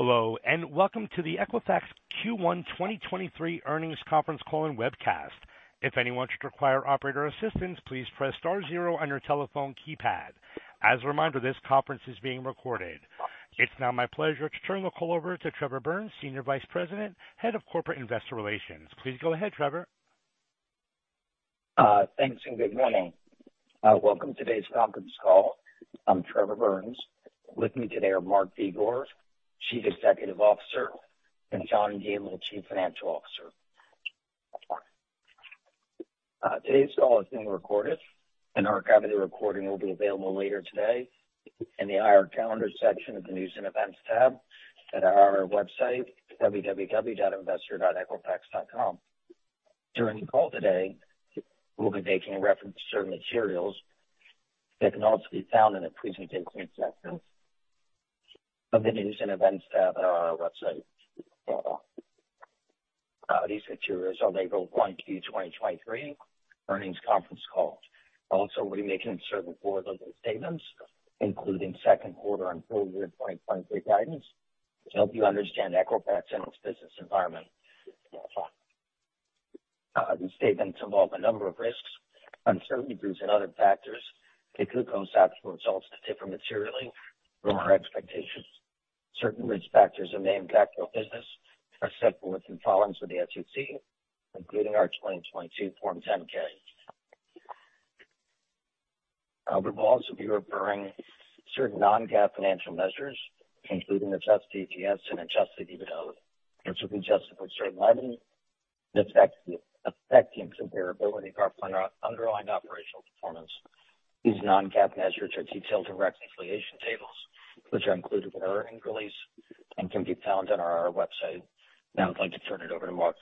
Hello, welcome to the Equifax Q1 2023 earnings conference call and webcast. If anyone should require operator assistance, please press star zero on your telephone keypad. As a reminder, this conference is being recorded. It's now my pleasure to turn the call over to Trevor Burns, Senior Vice President, Head of Corporate Investor Relations. Please go ahead, Trevor. Thanks, good morning. Welcome to today's conference call. I'm Trevor Burns. With me today are Mark Begor, Chief Executive Officer, and John Gamble, Chief Financial Officer. Today's call is being recorded. Our copy of the recording will be available later today in the IR Calendar section of the News and Events tab at our website, www.investor.equifax.com. During the call today, we'll be making a reference to certain materials that can also be found in the Presentation section of the News and Events tab on our website. These materials are labeled 1Q 2023 earnings conference call. We'll be making certain forward-looking statements, including second quarter and full year 2023 guidance to help you understand Equifax and its business environment. These statements involve a number of risks, uncertainties, and other factors that could cause actual results to differ materially from our expectations. Certain risk factors that may impact our business are set forth in filings with the SEC, including our 2022 Form 10-K. We will also be referring certain non-GAAP financial measures, including adjusted EPS and adjusted EBITDA, which we've adjusted for certain items affecting comparability to our underlying operational performance. These non-GAAP measures are detailed direct reconciliation tables, which are included in our earnings release and can be found on our website. Now I'd like to turn it over to Mark.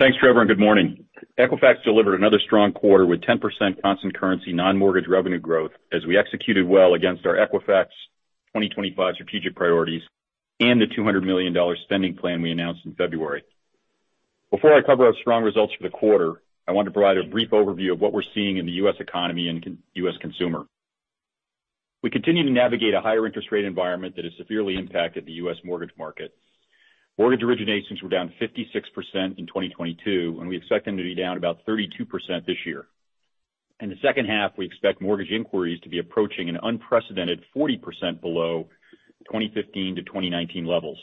Thanks, Trevor. Good morning. Equifax delivered another strong quarter with 10% constant currency non-mortgage revenue growth as we executed well against our Equifax 2025 strategic priorities and the $200 million spending plan we announced in February. Before I cover our strong results for the quarter, I want to provide a brief overview of what we're seeing in the U.S. economy and U.S. consumer. We continue to navigate a higher interest rate environment that has severely impacted the U.S. mortgage market. Mortgage originations were down 56% in 2022, and we expect them to be down about 32% this year. In the second half, we expect mortgage inquiries to be approaching an unprecedented 40% below 2015 to 2019 levels.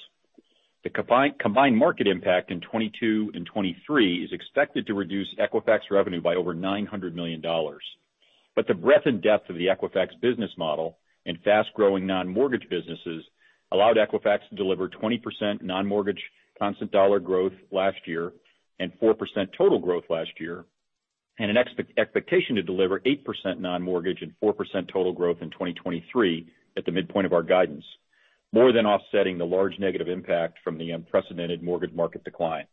The combined market impact in 2022 and 2023 is expected to reduce Equifax revenue by over $900 million. The breadth and depth of the Equifax business model and fast-growing non-mortgage businesses allowed Equifax to deliver 20% non-mortgage constant dollar growth last year and 4% total growth last year, and an expectation to deliver 8% non-mortgage and 4% total growth in 2023 at the midpoint of our guidance, more than offsetting the large negative impact from the unprecedented mortgage market decline.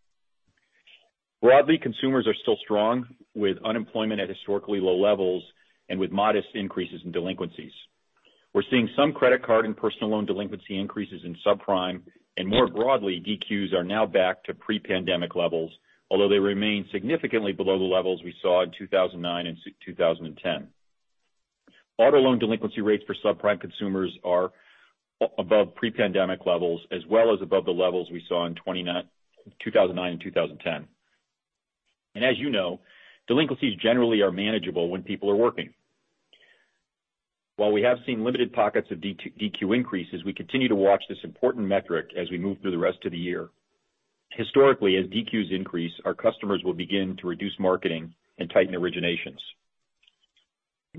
Broadly, consumers are still strong with unemployment at historically low levels and with modest increases in delinquencies. We're seeing some credit card and personal loan delinquency increases in subprime, and more broadly, DQs are now back to pre-pandemic levels, although they remain significantly below the levels we saw in 2009 and 2010. Auto loan delinquency rates for subprime consumers are above pre-pandemic levels, as well as above the levels we saw in 2009 and 2010. As you know, delinquencies generally are manageable when people are working. While we have seen limited pockets of DQ increases, we continue to watch this important metric as we move through the rest of the year. Historically, as DQs increase, our customers will begin to reduce marketing and tighten originations.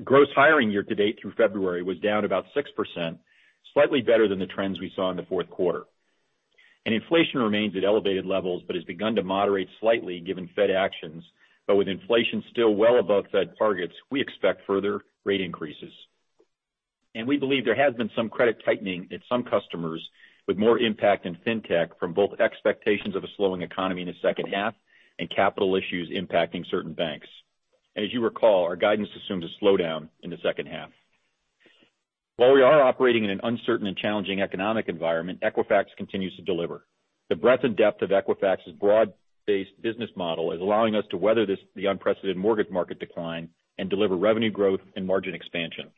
Gross hiring year to date through February was down about 6%, slightly better than the trends we saw in the fourth quarter. Inflation remains at elevated levels, but has begun to moderate slightly given Fed actions. With inflation still well above Fed targets, we expect further rate increases. We believe there has been some credit tightening in some customers with more impact in Fintech from both expectations of a slowing economy in the second half and capital issues impacting certain banks. You recall, our guidance assumes a slowdown in the second half. We are operating in an uncertain and challenging economic environment, Equifax continues to deliver. The breadth and depth of Equifax's broad-based business model is allowing us to weather this, the unprecedented mortgage market decline and deliver revenue growth and margin expansion.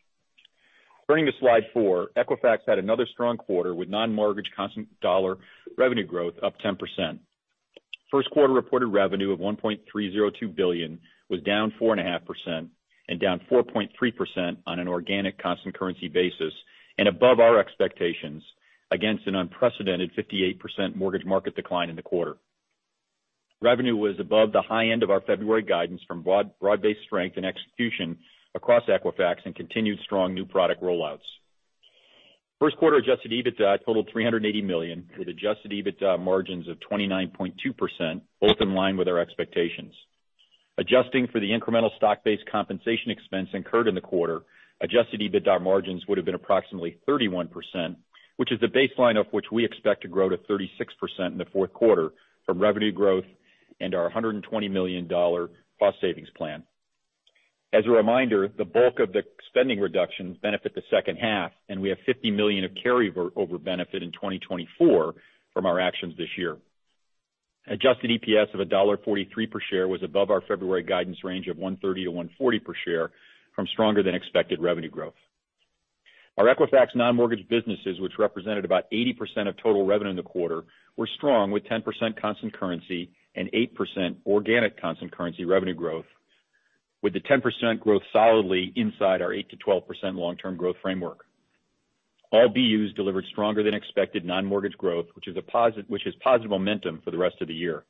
Turning to slide four, Equifax had another strong quarter with non-mortgage constant dollar revenue growth up 10%. First quarter reported revenue of $1.302 billion was down 4.5% and down 4.3% on an organic constant currency basis and above our expectations against an unprecedented 58% mortgage market decline in the quarter. Revenue was above the high end of our February guidance from broad-based strength and execution across Equifax and continued strong new product rollouts. First quarter adjusted EBITDA totaled $380 million, with adjusted EBITDA margins of 29.2%, both in line with our expectations. Adjusting for the incremental stock-based compensation expense incurred in the quarter, adjusted EBITDA margins would have been approximately 31%, which is the baseline of which we expect to grow to 36% in the fourth quarter from revenue growth and our $120 million cost savings plan. As a reminder, the bulk of the spending reductions benefit the second half, and we have $50 million of over benefit in 2024 from our actions this year. Adjusted EPS of $1.43 per share was above our February guidance range of $1.30-$1.40 per share from stronger than expected revenue growth. Our Equifax non-mortgage businesses, which represented about 80% of total revenue in the quarter, were strong with 10% constant currency and 8% organic constant currency revenue growth, with the 10% growth solidly inside our 8%-12% long-term growth framework. All BUs delivered stronger than expected non-mortgage growth, which is positive momentum for the rest of the year.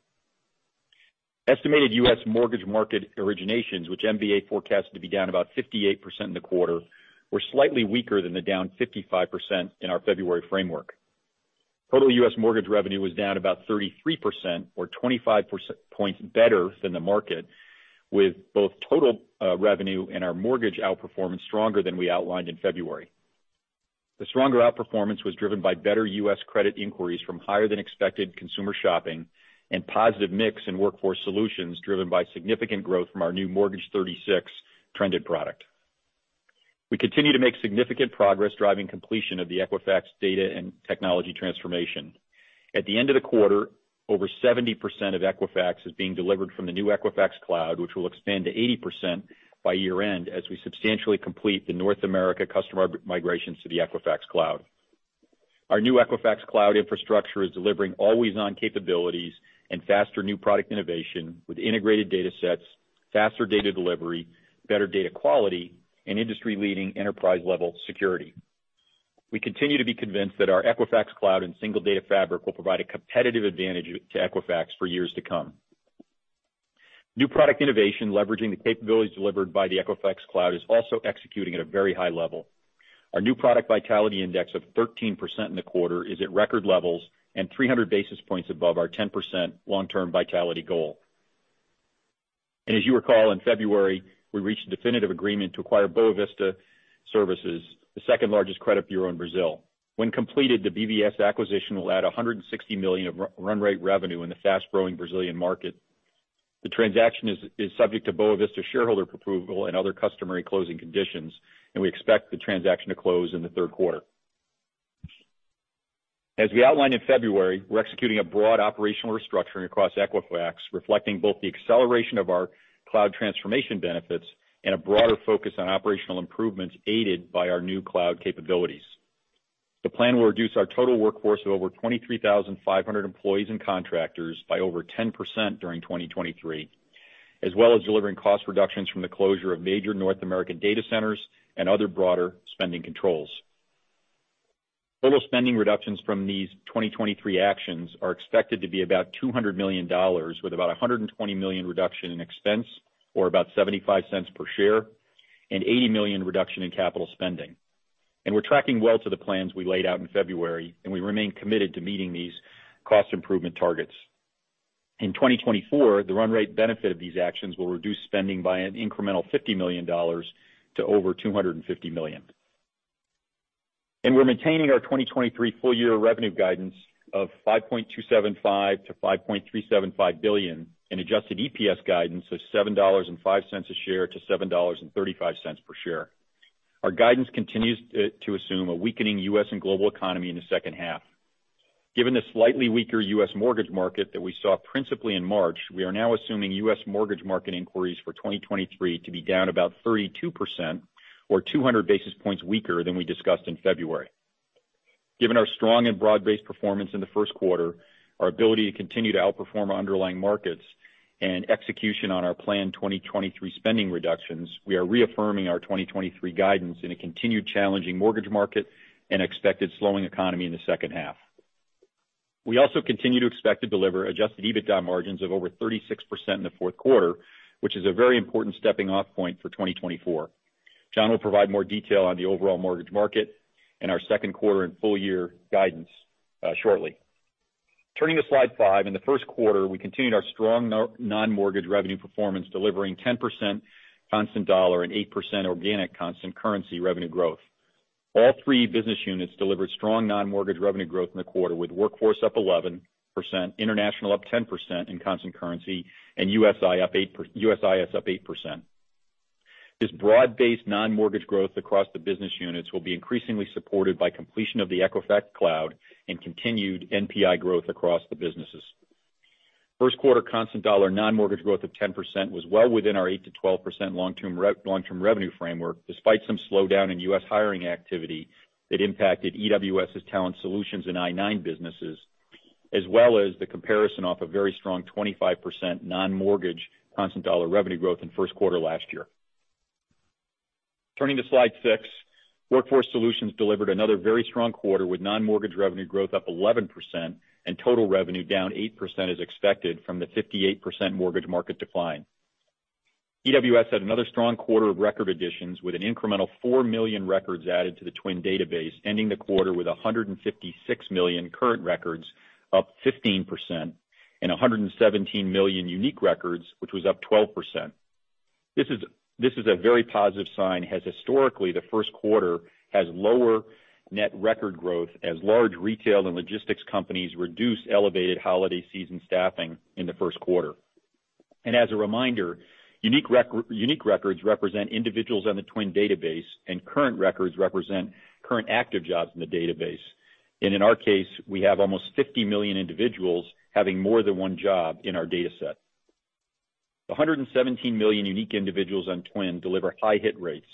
Estimated U.S. mortgage market originations, which MBA forecasts to be down about 58% in the quarter, were slightly weaker than the down 55% in our February framework. Total U.S. mortgage revenue was down about 33% or 25 percentage points better than the market, with both total revenue and our mortgage outperformance stronger than we outlined in February. The stronger outperformance was driven by better U.S. credit inquiries from higher-than-expected consumer shopping and positive mix in Workforce Solutions driven by significant growth from our new Mortgage 36 trended product. We continue to make significant progress driving completion of the Equifax data and technology transformation. At the end of the quarter, over 70% of Equifax is being delivered from the new Equifax Cloud, which will expand to 80% by year-end as we substantially complete the North America customer migrations to the Equifax Cloud. Our new Equifax Cloud infrastructure is delivering always-on capabilities and faster new product innovation with integrated datasets, faster data delivery, better data quality, and industry-leading enterprise-level security. We continue to be convinced that our Equifax Cloud and single Data Fabric will provide a competitive advantage to Equifax for years to come. New product innovation leveraging the capabilities delivered by the Equifax Cloud is also executing at a very high level. Our new product Vitality Index of 13% in the quarter is at record levels and 300 basis points above our 10% long-term Vitality goal. As you recall, in February, we reached a definitive agreement to acquire Boa Vista Services, the second-largest credit bureau in Brazil. When completed, the BVS acquisition will add $160 million of run rate revenue in the fast-growing Brazilian market. The transaction is subject to Boa Vista shareholder approval and other customary closing conditions. We expect the transaction to close in the third quarter. As we outlined in February, we're executing a broad operational restructuring across Equifax, reflecting both the acceleration of our cloud transformation benefits and a broader focus on operational improvements aided by our new cloud capabilities. The plan will reduce our total workforce of over 23,500 employees and contractors by over 10% during 2023, as well as delivering cost reductions from the closure of major North American data centers and other broader spending controls. Total spending reductions from these 2023 actions are expected to be about $200 million, with about a $120 million reduction in expense or about $0.75 per share and $80 million reduction in capital spending. We're tracking well to the plans we laid out in February, and we remain committed to meeting these cost improvement targets. In 2024, the run rate benefit of these actions will reduce spending by an incremental $50 million to over $250 million. We're maintaining our 2023 full year revenue guidance of $5.275 billion-$5.375 billion in adjusted EPS guidance of $7.05 a share to $7.35 per share. Our guidance continues to assume a weakening U.S. and global economy in the second half. Given the slightly weaker U.S. mortgage market that we saw principally in March, we are now assuming U.S. mortgage market inquiries for 2023 to be down about 32% or 200 basis points weaker than we discussed in February. Given our strong and broad-based performance in the first quarter, our ability to continue to outperform our underlying markets and execution on our planned 2023 spending reductions, we are reaffirming our 2023 guidance in a continued challenging mortgage market and expected slowing economy in the second half. We also continue to expect to deliver adjusted EBITDA margins of over 36% in the fourth quarter, which is a very important stepping off point for 2024. John will provide more detail on the overall mortgage market and our second quarter and full year guidance shortly. Turning to slide five, in the first quarter, we continued our strong non-mortgage revenue performance, delivering 10% constant dollar and 8% organic constant currency revenue growth. All three business units delivered strong non-mortgage revenue growth in the quarter, with Workforce up 11%, International up 10% in constant currency, USIS up 8%. This broad-based non-mortgage growth across the business units will be increasingly supported by completion of the Equifax Cloud and continued NPI growth across the businesses. First quarter constant dollar non-mortgage growth of 10% was well within our 8%-12% long-term revenue framework, despite some slowdown in U.S. hiring activity that impacted EWS's Talent Solutions and I-9 businesses, as well as the comparison off a very strong 25% non-mortgage constant dollar revenue growth in first quarter last year. Turning to slide six. Workforce Solutions delivered another very strong quarter with non-mortgage revenue growth up 11% and total revenue down 8% as expected from the 58% mortgage market decline. EWS had another strong quarter of record additions with an incremental four million records added to the TWN database, ending the quarter with 156 million current records up 15% and 117 million unique records, which was up 12%. This is a very positive sign, as historically, the first quarter has lower net record growth as large retail and logistics companies reduce elevated holiday season staffing in the first quarter. As a reminder, unique records represent individuals on the TWN database, and current records represent current active jobs in the database. In our case, we have almost 50 million individuals having more than one job in our data set. 117 million unique individuals on TWN deliver high hit rates,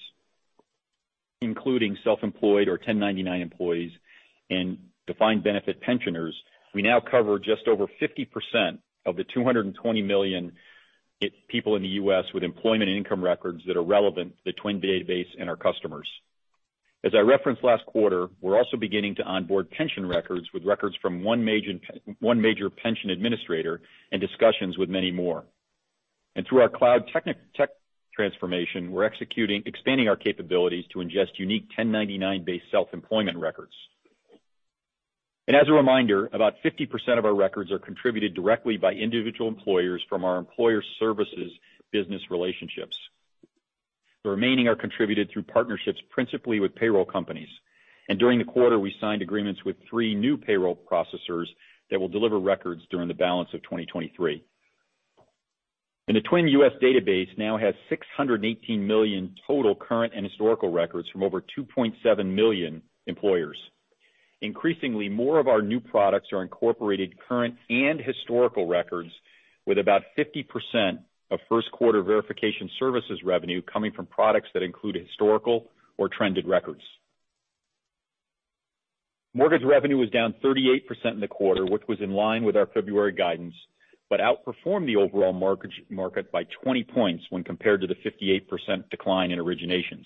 including self-employed or 1099 employees and defined benefit pensioners. We now cover just over 50% of the 220 million people in the U.S. with employment income records that are relevant to the TWN database and our customers. As I referenced last quarter, we're also beginning to onboard pension records with records from one major pension administrator and discussions with many more. Through our cloud tech transformation, we're expanding our capabilities to ingest unique 1099 based self-employment records. As a reminder, about 50% of our records are contributed directly by individual employers from our Employer Services business relationships. The remaining are contributed through partnerships, principally with payroll companies. During the quarter, we signed agreements with three new payroll processors that will deliver records during the balance of 2023. The TWN U.S. database now has 618 million total current and historical records from over 2.7 million employers. Increasingly, more of our new products are incorporated current and historical records with about 50% of first quarter Verification Services revenue coming from products that include historical or trended records. Mortgage revenue was down 38% in the quarter, which was in line with our February guidance, but outperformed the overall market by 20 points when compared to the 58% decline in originations.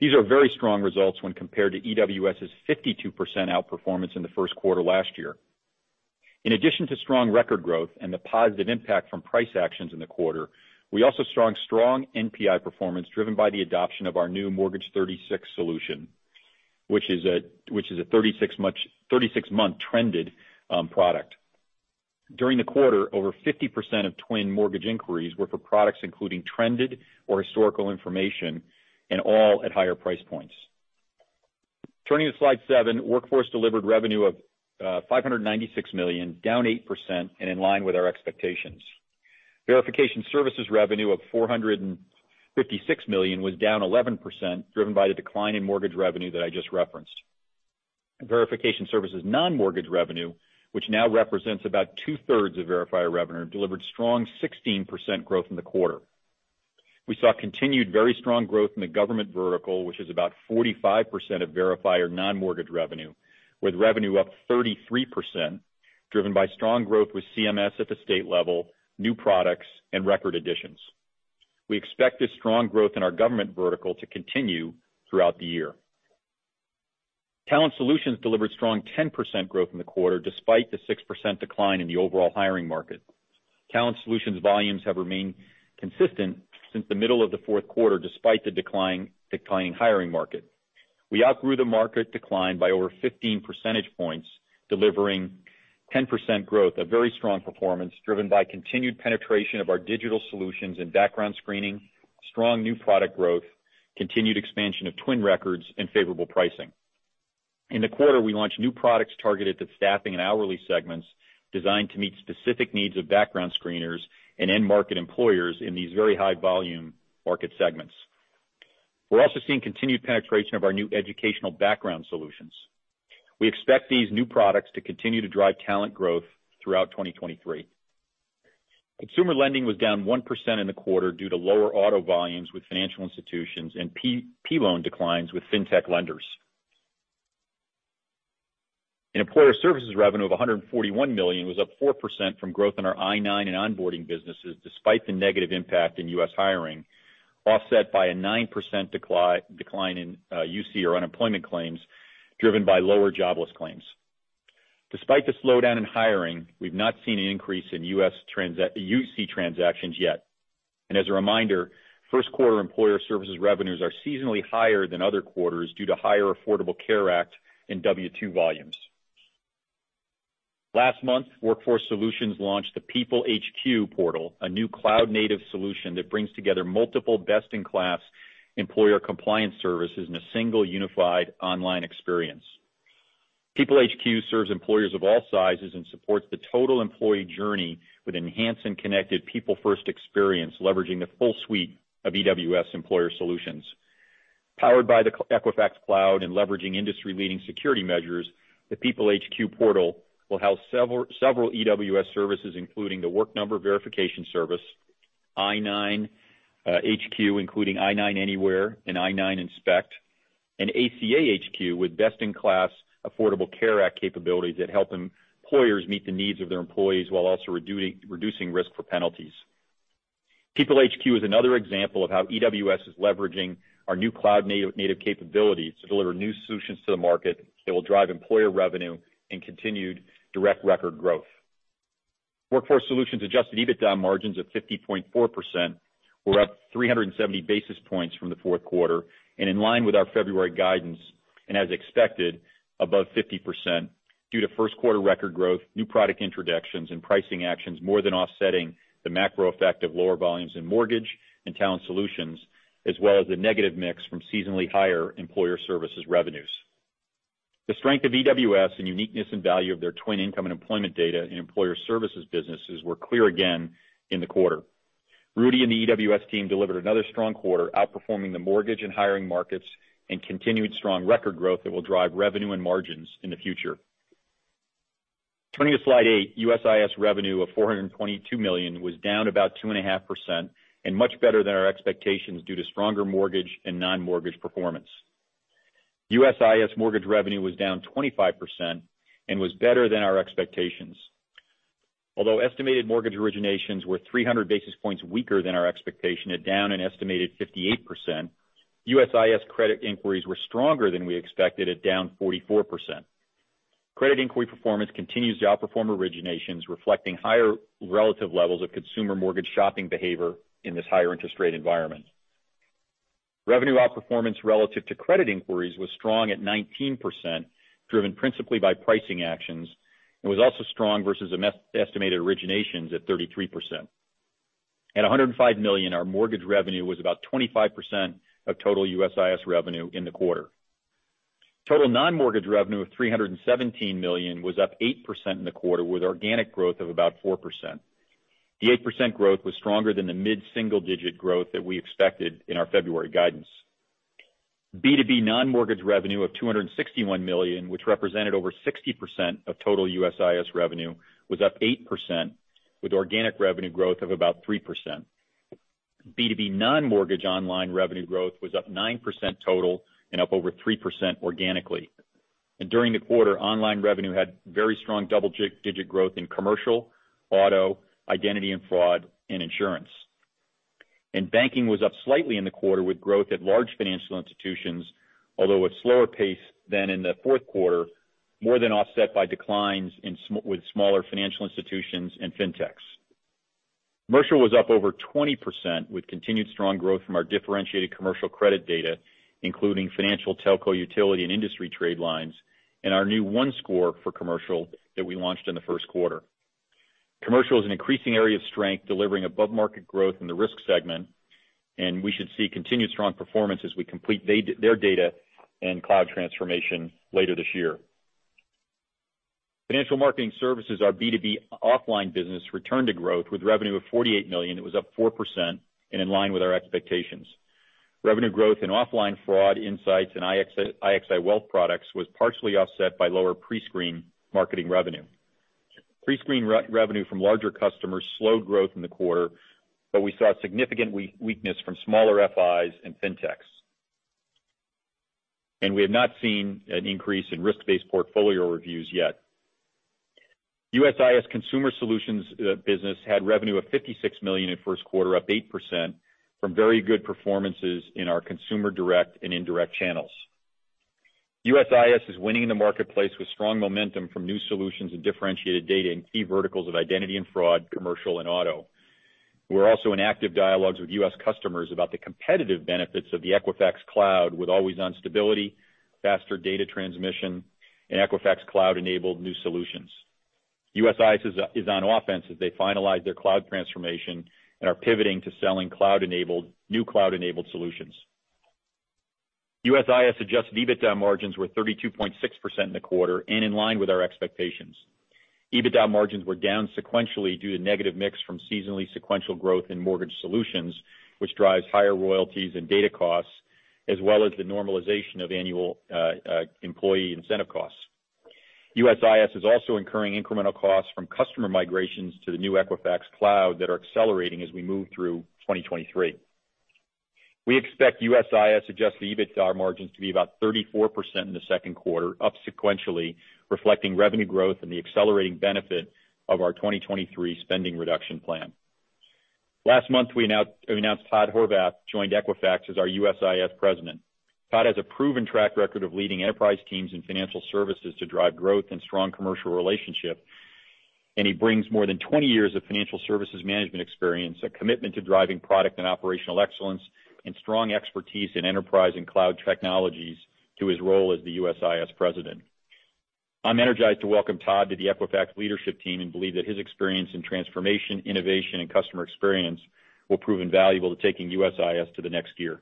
These are very strong results when compared to EWS's 52% outperformance in the first quarter last year. In addition to strong record growth and the positive impact from price actions in the quarter, we also saw strong NPI performance driven by the adoption of our new Mortgage 36 solution, which is a 36-month trended product. During the quarter, over 50% of TWN mortgage inquiries were for products including trended or historical information, all at higher price points. Turning to slide seven, Workforce delivered revenue of $596 million, down 8% in line with our expectations. Verification Services revenue of $456 million was down 11%, driven by the decline in mortgage revenue that I just referenced. Verification Services non-mortgage revenue, which now represents about 2/3 of Verifier revenue, delivered strong 16% growth in the quarter. We saw continued very strong growth in the government vertical, which is about 45% of Verifier non-mortgage revenue, with revenue up 33%, driven by strong growth with CMS at the state level, new products and record additions. We expect this strong growth in our government vertical to continue throughout the year. Talent Solutions delivered strong 10% growth in the quarter, despite the 6% decline in the overall hiring market. Talent Solutions volumes have remained consistent since the middle of the fourth quarter, despite the declining hiring market. We outgrew the market decline by over 15 percentage points, delivering 10% growth, a very strong performance driven by continued penetration of our digital solutions in background screening, strong new product growth, continued expansion of TWN records and favorable pricing. In the quarter, we launched new products targeted to staffing and hourly segments designed to meet specific needs of background screeners and end market employers in these very high volume market segments. We're also seeing continued penetration of our new educational background solutions. We expect these new products to continue to drive talent growth throughout 2023. Consumer lending was down 1% in the quarter due to lower auto volumes with financial institutions and P-loan declines with Fintech lenders. Employer Services revenue of $141 million was up 4% from growth in our I-9 and onboarding businesses, despite the negative impact in U.S. hiring, offset by a 9% decline in UC or unemployment claims driven by lower jobless claims. Despite the slowdown in hiring, we've not seen an increase in UC transactions yet. As a reminder, first quarter Employer Services revenues are seasonally higher than other quarters due to higher Affordable Care Act and W-2 volumes. Last month, Workforce Solutions launched the PeopleHQ portal, a new cloud-native solution that brings together multiple best in class employer compliance services in a single unified online experience. PeopleHQ serves employers of all sizes and supports the total employee journey with enhanced and connected people first experience, leveraging the full suite of EWS employer solutions. Powered by the Equifax Cloud and leveraging industry leading security measures, the PeopleHQ portal will house several EWS services, including The Work Number verification service, I-9 HQ, including I-9 Anywhere and I-9 Inspect, and ACA HQ with best in class Affordable Care Act capabilities that help employers meet the needs of their employees while also reducing risk for penalties. PeopleHQ is another example of how EWS is leveraging our new cloud-native capabilities to deliver new solutions to the market that will drive employer revenue and continued direct record growth. Workforce Solutions adjusted EBITDA margins of 50.4% were up 370 basis points from the fourth quarter. In line with our February guidance, and as expected, above 50% due to first quarter record growth, new product introductions and pricing actions more than offsetting the macro effect of lower volumes in Mortgage and Talent Solutions, as well as the negative mix from seasonally higher employer services revenues. The strength of EWS and uniqueness and value of their twin income and employment data in employer services businesses were clear again in the quarter. Rudy and the EWS team delivered another strong quarter, outperforming the mortgage and hiring markets and continued strong record growth that will drive revenue and margins in the future. Turning to slide eight, USIS revenue of $422 million was down about 2.5% and much better than our expectations due to stronger mortgage and non-mortgage performance. USIS mortgage revenue was down 25% and was better than our expectations. Although estimated mortgage originations were 300 basis points weaker than our expectation at down an estimated 58%, USIS credit inquiries were stronger than we expected at down 44%. Credit inquiry performance continues to outperform originations, reflecting higher relative levels of consumer mortgage shopping behavior in this higher interest rate environment. Revenue outperformance relative to credit inquiries was strong at 19%, driven principally by pricing actions, and was also strong versus estimated originations at 33%. At $105 million, our mortgage revenue was about 25% of total USIS revenue in the quarter. Total non-mortgage revenue of $317 million was up 8% in the quarter, with organic growth of about 4%. The 8% growth was stronger than the mid-single digit growth that we expected in our February guidance. B2B non-mortgage revenue of $261 million, which represented over 60% of total USIS revenue, was up 8%, with organic revenue growth of about 3%. B2B non-mortgage online revenue growth was up 9% total and up over 3% organically. During the quarter, online revenue had very strong double-digit growth in commercial, auto, identity and fraud, and insurance. Banking was up slightly in the quarter with growth at large financial institutions, although a slower pace than in the fourth quarter, more than offset by declines with smaller financial institutions and Fintechs. Commercial was up over 20%, with continued strong growth from our differentiated commercial credit data, including financial, telco, utility, and industry trade lines, and our new OneScore for Commercial that we launched in the first quarter. Commercial is an increasing area of strength, delivering above-market growth in the risk segment, and we should see continued strong performance as we complete their data and cloud transformation later this year. Financial Marketing Services, our B2B offline business, returned to growth with revenue of $48 million. It was up 4% and in line with our expectations. Revenue growth in offline fraud, insights, and IXI wealth products was partially offset by lower prescreen marketing revenue. Prescreen revenue from larger customers slowed growth in the quarter, but we saw significant weakness from smaller FIs and Fintechs. We have not seen an increase in risk-based portfolio reviews yet. USIS Consumer Solutions business had revenue of $56 million in first quarter, up 8% from very good performances in our consumer direct and indirect channels. USIS is winning in the marketplace with strong momentum from new solutions and differentiated data in key verticals of identity and fraud, commercial, and auto. We're also in active dialogues with U.S. customers about the competitive benefits of the Equifax Cloud, with always-on stability, faster data transmission, and Equifax Cloud-enabled new solutions. USIS is on offense as they finalize their cloud transformation and are pivoting to selling new cloud-enabled solutions. USIS adjusted EBITDA margins were 32.6% in the quarter and in line with our expectations. EBITDA margins were down sequentially due to negative mix from seasonally sequential growth in mortgage solutions, which drives higher royalties and data costs, as well as the normalization of annual employee incentive costs. USIS is also incurring incremental costs from customer migrations to the new Equifax Cloud that are accelerating as we move through 2023. We expect USIS adjusted EBITDA margins to be about 34% in the second quarter, up sequentially, reflecting revenue growth and the accelerating benefit of our 2023 spending reduction plan. Last month, we announced Todd Horvath joined Equifax as our USIS President. Todd has a proven track record of leading enterprise teams in financial services to drive growth and strong commercial relationship, and he brings more than 20 years of financial services management experience, a commitment to driving product and operational excellence, and strong expertise in enterprise and cloud technologies to his role as the USIS president. I'm energized to welcome Todd to the Equifax leadership team and believe that his experience in transformation, innovation, and customer experience will prove invaluable to taking USIS to the next year.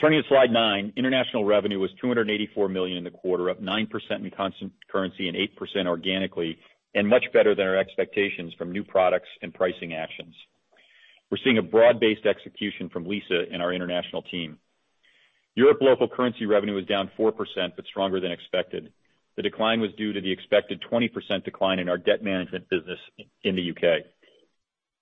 Turning to slide nine, International revenue was $284 million in the quarter, up 9% in constant currency and 8% organically, and much better than our expectations from new products and pricing actions. We're seeing a broad-based execution from Lisa and our International team. Europe local currency revenue was down 4%, but stronger than expected. The decline was due to the expected 20% decline in our debt management business in the U.K.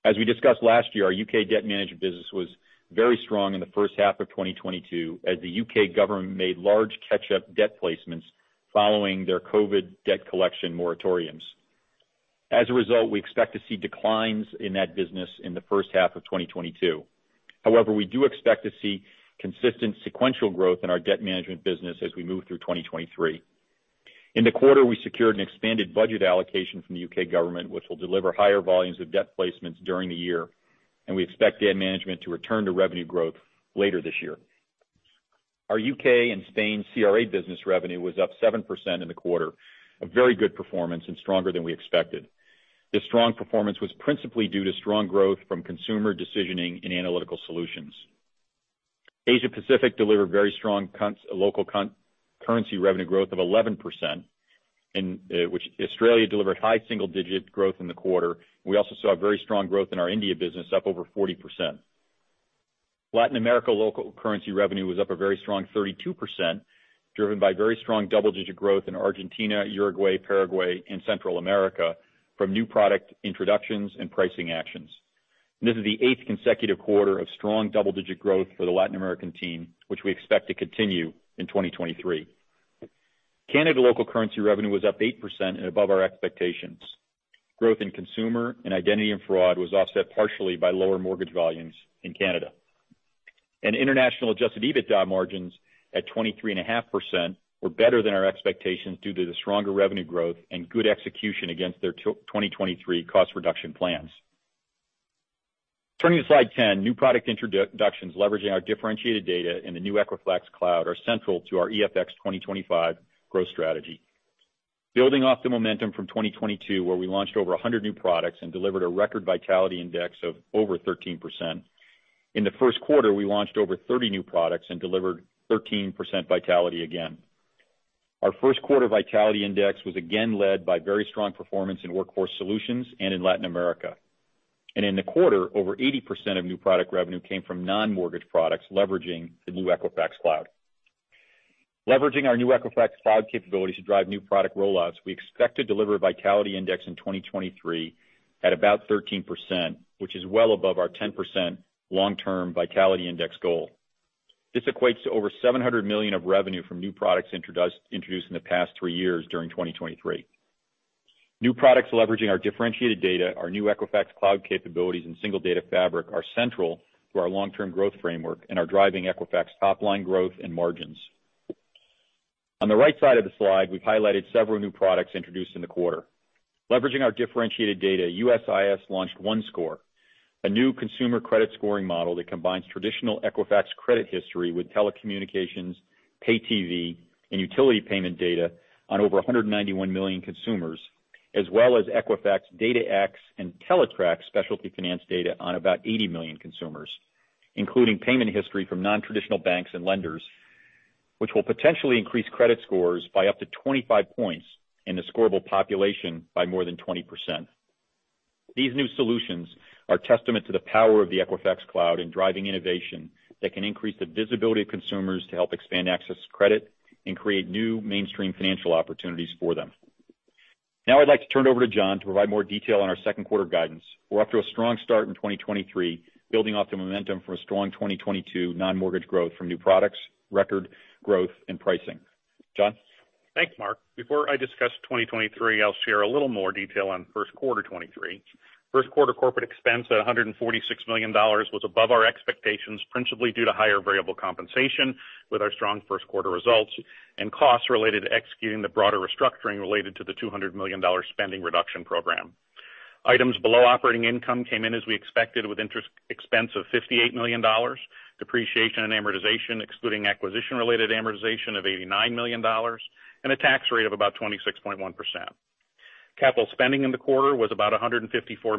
As we discussed last year, our U.K. debt management business was very strong in the first half of 2022, as the U.K. government made large catch-up debt placements following their COVID debt collection moratoriums. As a result, we expect to see declines in that business in the first half of 2022. However, we do expect to see consistent sequential growth in our debt management business as we move through 2023. In the quarter, we secured an expanded budget allocation from the U.K. government, which will deliver higher volumes of debt placements during the year, and we expect debt management to return to revenue growth later this year. Our U.K. and Spain CRA business revenue was up 7% in the quarter, a very good performance and stronger than we expected. The strong performance was principally due to strong growth from consumer decisioning and analytical solutions. Asia-Pacific delivered very strong local currency revenue growth of 11%, in which Australia delivered high single-digit growth in the quarter. We also saw very strong growth in our India business, up over 40%. Latin America local currency revenue was up a very strong 32%, driven by very strong double-digit growth in Argentina, Uruguay, Paraguay, and Central America from new product introductions and pricing actions. This is the eighth consecutive quarter of strong double-digit growth for the Latin American team, which we expect to continue in 2023. Canada local currency revenue was up 8% and above our expectations. Growth in consumer and identity and fraud was offset partially by lower mortgage volumes in Canada. International adjusted EBITDA margins at 23.5% were better than our expectations due to the stronger revenue growth and good execution against their 2023 cost reduction plans. Turning to slide 10, new product introductions leveraging our differentiated data in the new Equifax Cloud are central to our EFX 2025 growth strategy. Building off the momentum from 2022, where we launched over 100 new products and delivered a record Vitality Index of over 13%. In the first quarter, we launched over 30 new products and delivered 13% Vitality again. Our first quarter Vitality Index was again led by very strong performance in Workforce Solutions and in Latin America. In the quarter, over 80% of new product revenue came from non-mortgage products leveraging the new Equifax Cloud. Leveraging our new Equifax Cloud capabilities to drive new product rollouts, we expect to deliver a Vitality Index in 2023 at about 13%, which is well above our 10% long-term Vitality Index goal. This equates to over $700 million of revenue from new products introduced in the past three years during 2023. New products leveraging our differentiated data, our new Equifax Cloud capabilities and single Data Fabric are central to our long-term growth framework and are driving Equifax top line growth and margins. On the right side of the slide, we've highlighted several new products introduced in the quarter. Leveraging our differentiated data, USIS launched OneScore, a new consumer credit scoring model that combines traditional Equifax credit history with telecommunications, pay TV, and utility payment data on over 191 million consumers, as well as Equifax DataX and Teletrack specialty finance data on about 80 million consumers, including payment history from non-traditional banks and lenders, which will potentially increase credit scores by up to 25 points in the scorable population by more than 20%. These new solutions are testament to the power of the Equifax Cloud in driving innovation that can increase the visibility of consumers to help expand access to credit and create new mainstream financial opportunities for them. Now I'd like to turn it over to John to provide more detail on our second quarter guidance. We're off to a strong start in 2023, building off the momentum from a strong 2022 non-mortgage growth from new products, record growth and pricing. John? Thanks, Mark. Before I discuss 2023, I'll share a little more detail on first quarter 2023. First quarter corporate expense at $146 million was above our expectations, principally due to higher variable compensation with our strong first quarter results and costs related to executing the broader restructuring related to the $200 million spending reduction program. Items below operating income came in as we expected, with interest expense of $58 million, depreciation and amortization, excluding acquisition-related amortization of $89 million, and a tax rate of about 26.1%. Capital spending in the quarter was about $154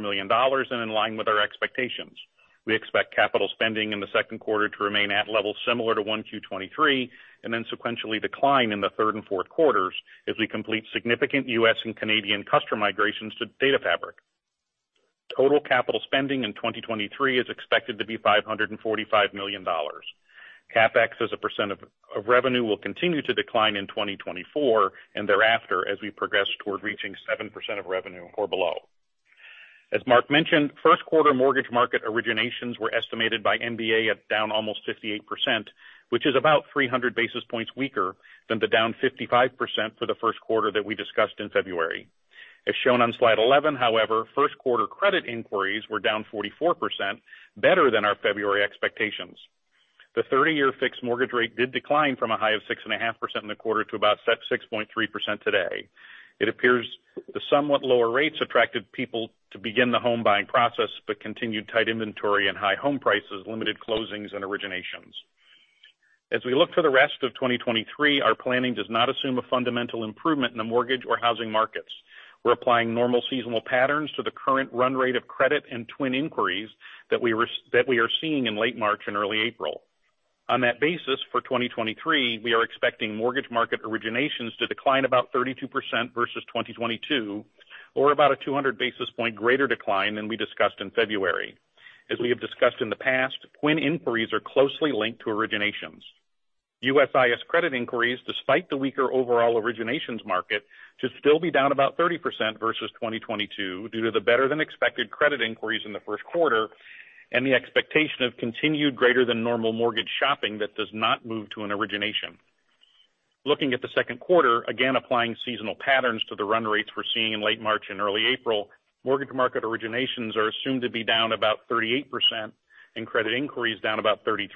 million and in line with our expectations. We expect capital spending in the second quarter to remain at levels similar to 1Q 2023 and then sequentially decline in the third and fourth quarters as we complete significant U.S. and Canadian customer migrations to Data Fabric. Total capital spending in 2023 is expected to be $545 million. CapEx as a percent of revenue will continue to decline in 2024 and thereafter as we progress toward reaching 7% of revenue or below. As Mark mentioned, first quarter mortgage market originations were estimated by MBA at down almost 58%, which is about 300 basis points weaker than the down 55% for the first quarter that we discussed in February. As shown on slide 11, however, first quarter credit inquiries were down 44%, better than our February expectations. The 30-year fixed mortgage rate did decline from a high of 6.5% in the quarter to about 6.3% today. It appears the somewhat lower rates attracted people to begin the home buying process, but continued tight inventory and high home prices limited closings and originations. As we look to the rest of 2023, our planning does not assume a fundamental improvement in the mortgage or housing markets. We're applying normal seasonal patterns to the current run rate of credit and TWN inquiries that we are seeing in late March and early April. On that basis, for 2023, we are expecting mortgage market originations to decline about 32% versus 2022 or about a 200 basis point greater decline than we discussed in February. As we have discussed in the past, TWN inquiries are closely linked to originations. USIS credit inquiries, despite the weaker overall originations market, to still be down about 30% versus 2022 due to the better-than-expected credit inquiries in the first quarter and the expectation of continued greater than normal mortgage shopping that does not move to an origination. Looking at the second quarter, again applying seasonal patterns to the run rates we're seeing in late March and early April, mortgage market originations are assumed to be down about 38% and credit inquiries down about 33%.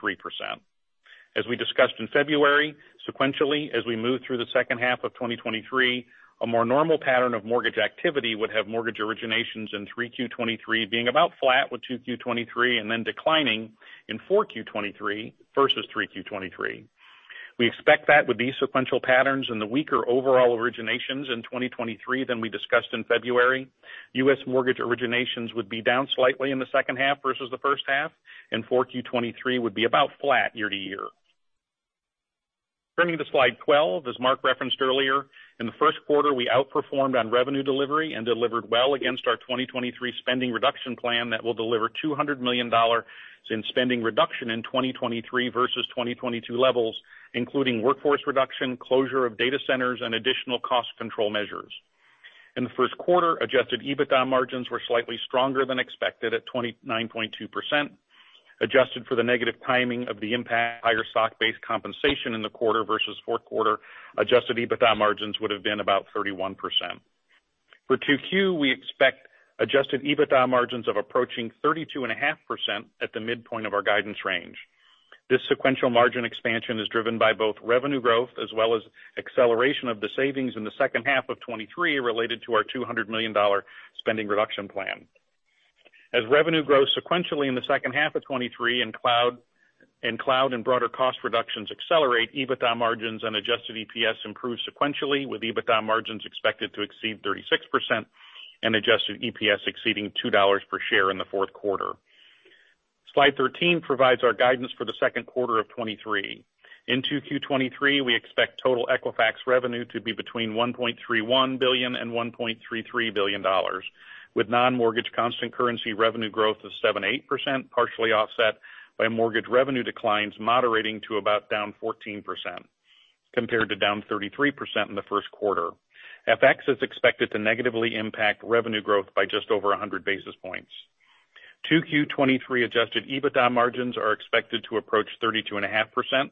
As we discussed in February, sequentially, as we move through the second half of 2023, a more normal pattern of mortgage activity would have mortgage originations in 3Q 2023 being about flat with 2Q 2023 and then declining in 4Q 2023 versus 3Q 2023. We expect that with these sequential patterns and the weaker overall originations in 2023 than we discussed in February, U.S. mortgage originations would be down slightly in the second half versus the first half, and 4Q 2023 would be about flat year-to-year. Turning to slide 12, as Mark referenced earlier, in the first quarter, we outperformed on revenue delivery and delivered well against our 2023 spending reduction plan that will deliver $200 million in spending reduction in 2023 versus 2022 levels, including workforce reduction, closure of data centers and additional cost control measures. In the first quarter, adjusted EBITDA margins were slightly stronger than expected at 29.2%. Adjusted for the negative timing of the impact, higher stock-based compensation in the quarter versus fourth quarter, adjusted EBITDA margins would have been about 31%. For 2Q, we expect adjusted EBITDA margins of approaching 32.5% at the midpoint of our guidance range. This sequential margin expansion is driven by both revenue growth as well as acceleration of the savings in the second half of 2023 related to our $200 million spending reduction plan. Revenue grows sequentially in the second half of 2023 and cloud and broader cost reductions accelerate, EBITDA margins and adjusted EPS improve sequentially, with EBITDA margins expected to exceed 36% and adjusted EPS exceeding $2 per share in the fourth quarter. Slide 13 provides our guidance for the second quarter of 2023. In 2Q 2023, we expect total Equifax revenue to be between $1.31 billion and $1.33 billion, with non-mortgage constant currency revenue growth of 7%-8%, partially offset by mortgage revenue declines moderating to about down 14% compared to down 33% in the first quarter. FX is expected to negatively impact revenue growth by just over 100 basis points. 2Q 2023 adjusted EBITDA margins are expected to approach 32.5%,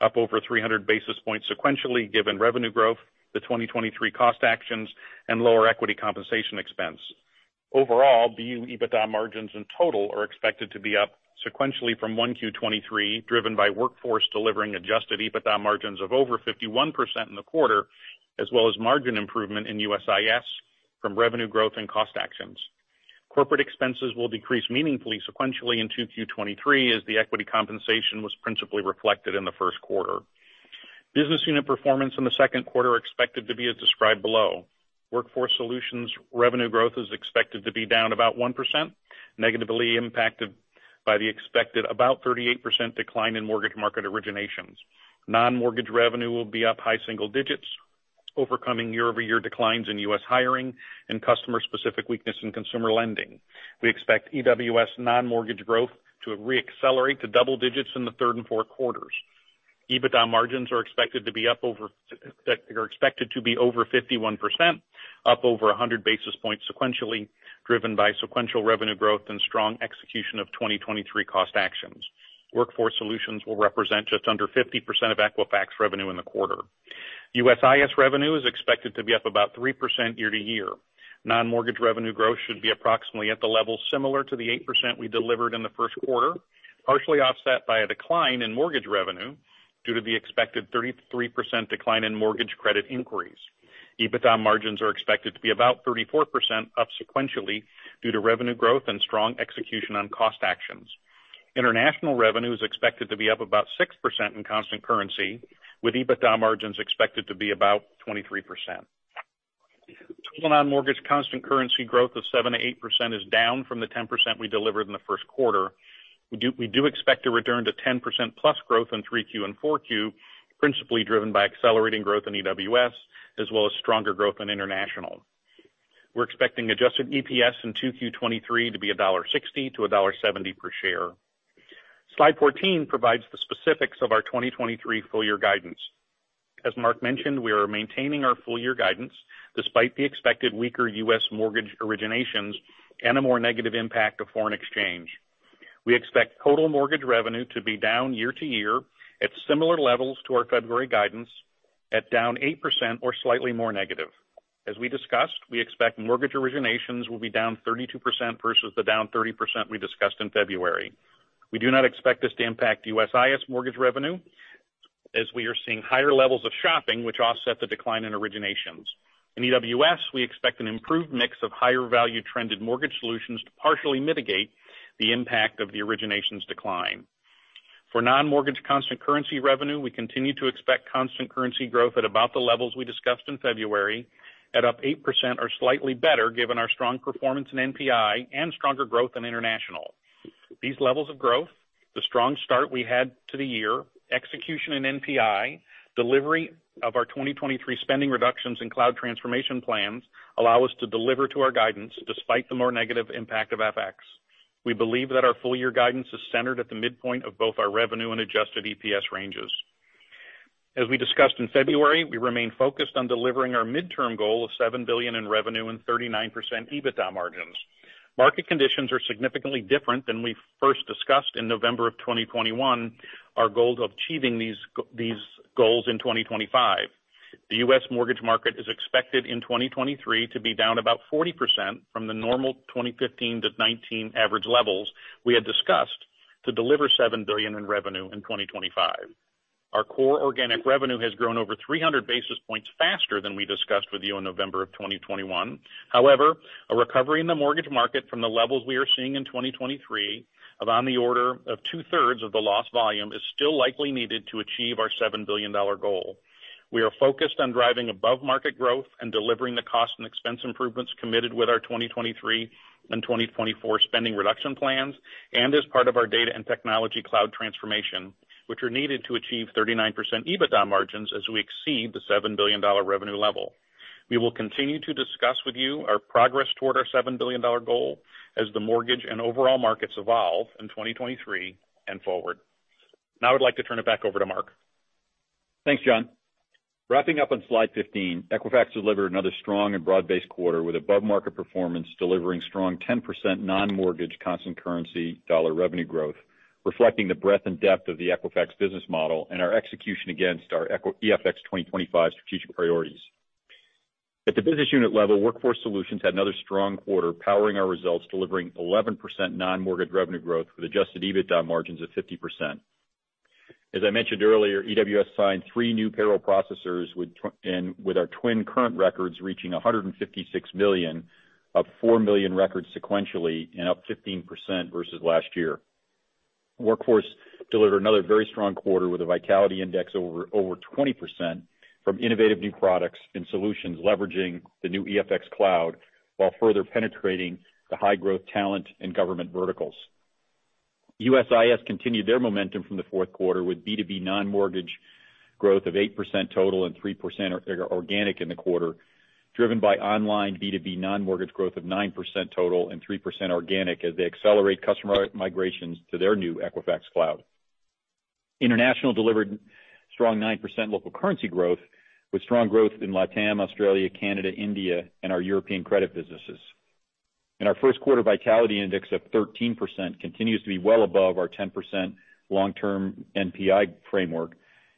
up over 300 basis points sequentially given revenue growth, the 2023 cost actions and lower equity compensation expense. Overall, BU EBITDA margins in total are expected to be up sequentially from 1Q 2023, driven by Workforce delivering adjusted EBITDA margins of over 51% in the quarter, as well as margin improvement in USIS from revenue growth and cost actions. Corporate expenses will decrease meaningfully sequentially in 2Q 2023 as the equity compensation was principally reflected in the first quarter. Business unit performance in the second quarter are expected to be as described below. Workforce Solutions revenue growth is expected to be down about 1%, negatively impacted by the expected about 38% decline in mortgage market originations. Non-mortgage revenue will be up high single digits, overcoming year-over-year declines in U.S. hiring and customer specific weakness in consumer lending. We expect EWS non-mortgage growth to re-accelerate to double digits in the third and fourth quarters. EBITDA margins are expected to be over 51%, up over 100 basis points sequentially, driven by sequential revenue growth and strong execution of 2023 cost actions. Workforce Solutions will represent just under 50% of Equifax revenue in the quarter. USIS revenue is expected to be up about 3% year-over-year. Non-mortgage revenue growth should be approximately at the level similar to the 8% we delivered in the first quarter, partially offset by a decline in mortgage revenue due to the expected 33% decline in mortgage credit inquiries. EBITDA margins are expected to be about 34% up sequentially due to revenue growth and strong execution on cost actions. International revenue is expected to be up about 6% in constant currency, with EBITDA margins expected to be about 23%. Total non-mortgage constant currency growth of 7%-8% is down from the 10% we delivered in the first quarter. We do expect to return to 10%+ growth in 3Q and 4Q, principally driven by accelerating growth in EWS as well as stronger growth in International. We're expecting adjusted EPS in 2Q 2023 to be $1.60-$1.70 per share. Slide 14 provides the specifics of our 2023 full year guidance. As Mark mentioned, we are maintaining our full year guidance despite the expected weaker U.S. mortgage originations and a more negative impact of foreign exchange. We expect total mortgage revenue to be down year-over-year at similar levels to our February guidance at down 8% or slightly more negative. As we discussed, we expect mortgage originations will be down 32% versus the down 30% we discussed in February. We do not expect this to impact USIS mortgage revenue as we are seeing higher levels of shopping which offset the decline in originations. In EWS, we expect an improved mix of higher value trended mortgage solutions to partially mitigate the impact of the originations decline. For non-mortgage constant currency revenue, we continue to expect constant currency growth at about the levels we discussed in February at up 8% or slightly better given our strong performance in NPI and stronger growth in International. These levels of growth, the strong start we had to the year, execution in NPI, delivery of our 2023 spending reductions in cloud transformation plans allow us to deliver to our guidance despite the more negative impact of FX. We believe that our full year guidance is centered at the midpoint of both our revenue and adjusted EPS ranges. As we discussed in February, we remain focused on delivering our midterm goal of $7 billion in revenue and 39% EBITDA margins. Market conditions are significantly different than we first discussed in November of 2021 our goal of achieving these goals in 2025. The U.S. mortgage market is expected in 2023 to be down about 40% from the normal 2015 to 2019 average levels we had discussed to deliver $7 billion in revenue in 2025. Our core organic revenue has grown over 300 basis points faster than we discussed with you in November of 2021. A recovery in the mortgage market from the levels we are seeing in 2023 of on the order of two-thirds of the lost volume is still likely needed to achieve our $7 billion goal. We are focused on driving above-market growth and delivering the cost and expense improvements committed with our 2023 and 2024 spending reduction plans, and as part of our data and technology cloud transformation, which are needed to achieve 39% EBITDA margins as we exceed the $7 billion revenue level. We will continue to discuss with you our progress toward our $7 billion goal as the mortgage and overall markets evolve in 2023 and forward. I'd like to turn it back over to Mark. Thanks, John. Wrapping up on slide 15, Equifax delivered another strong and broad-based quarter with above market performance, delivering strong 10% non-mortgage constant currency dollar revenue growth, reflecting the breadth and depth of the Equifax business model and our execution against our EFX 2025 strategic priorities. At the business unit level, Workforce Solutions had another strong quarter powering our results, delivering 11% non-mortgage revenue growth with adjusted EBITDA margins of 50%. As I mentioned earlier, EWS signed three new payroll processors and with our TWN current records reaching $156 million, up $4 million records sequentially and up 15% versus last year. Workforce delivered another very strong quarter with a Vitality Index over 20% from innovative new products and solutions leveraging the new EFX Cloud while further penetrating the high-growth talent and government verticals. USIS continued their momentum from the fourth quarter with B2B non-mortgage growth of 8% total and 3% organic in the quarter, driven by online B2B non-mortgage growth of 9% total and 3% organic as they accelerate customer migrations to their new Equifax Cloud. International delivered strong 9% local currency growth with strong growth in LATAM, Australia, Canada, India, and our European credit businesses. Our first quarter Vitality Index of 13% continues to be well above our 10% long-term NPI framework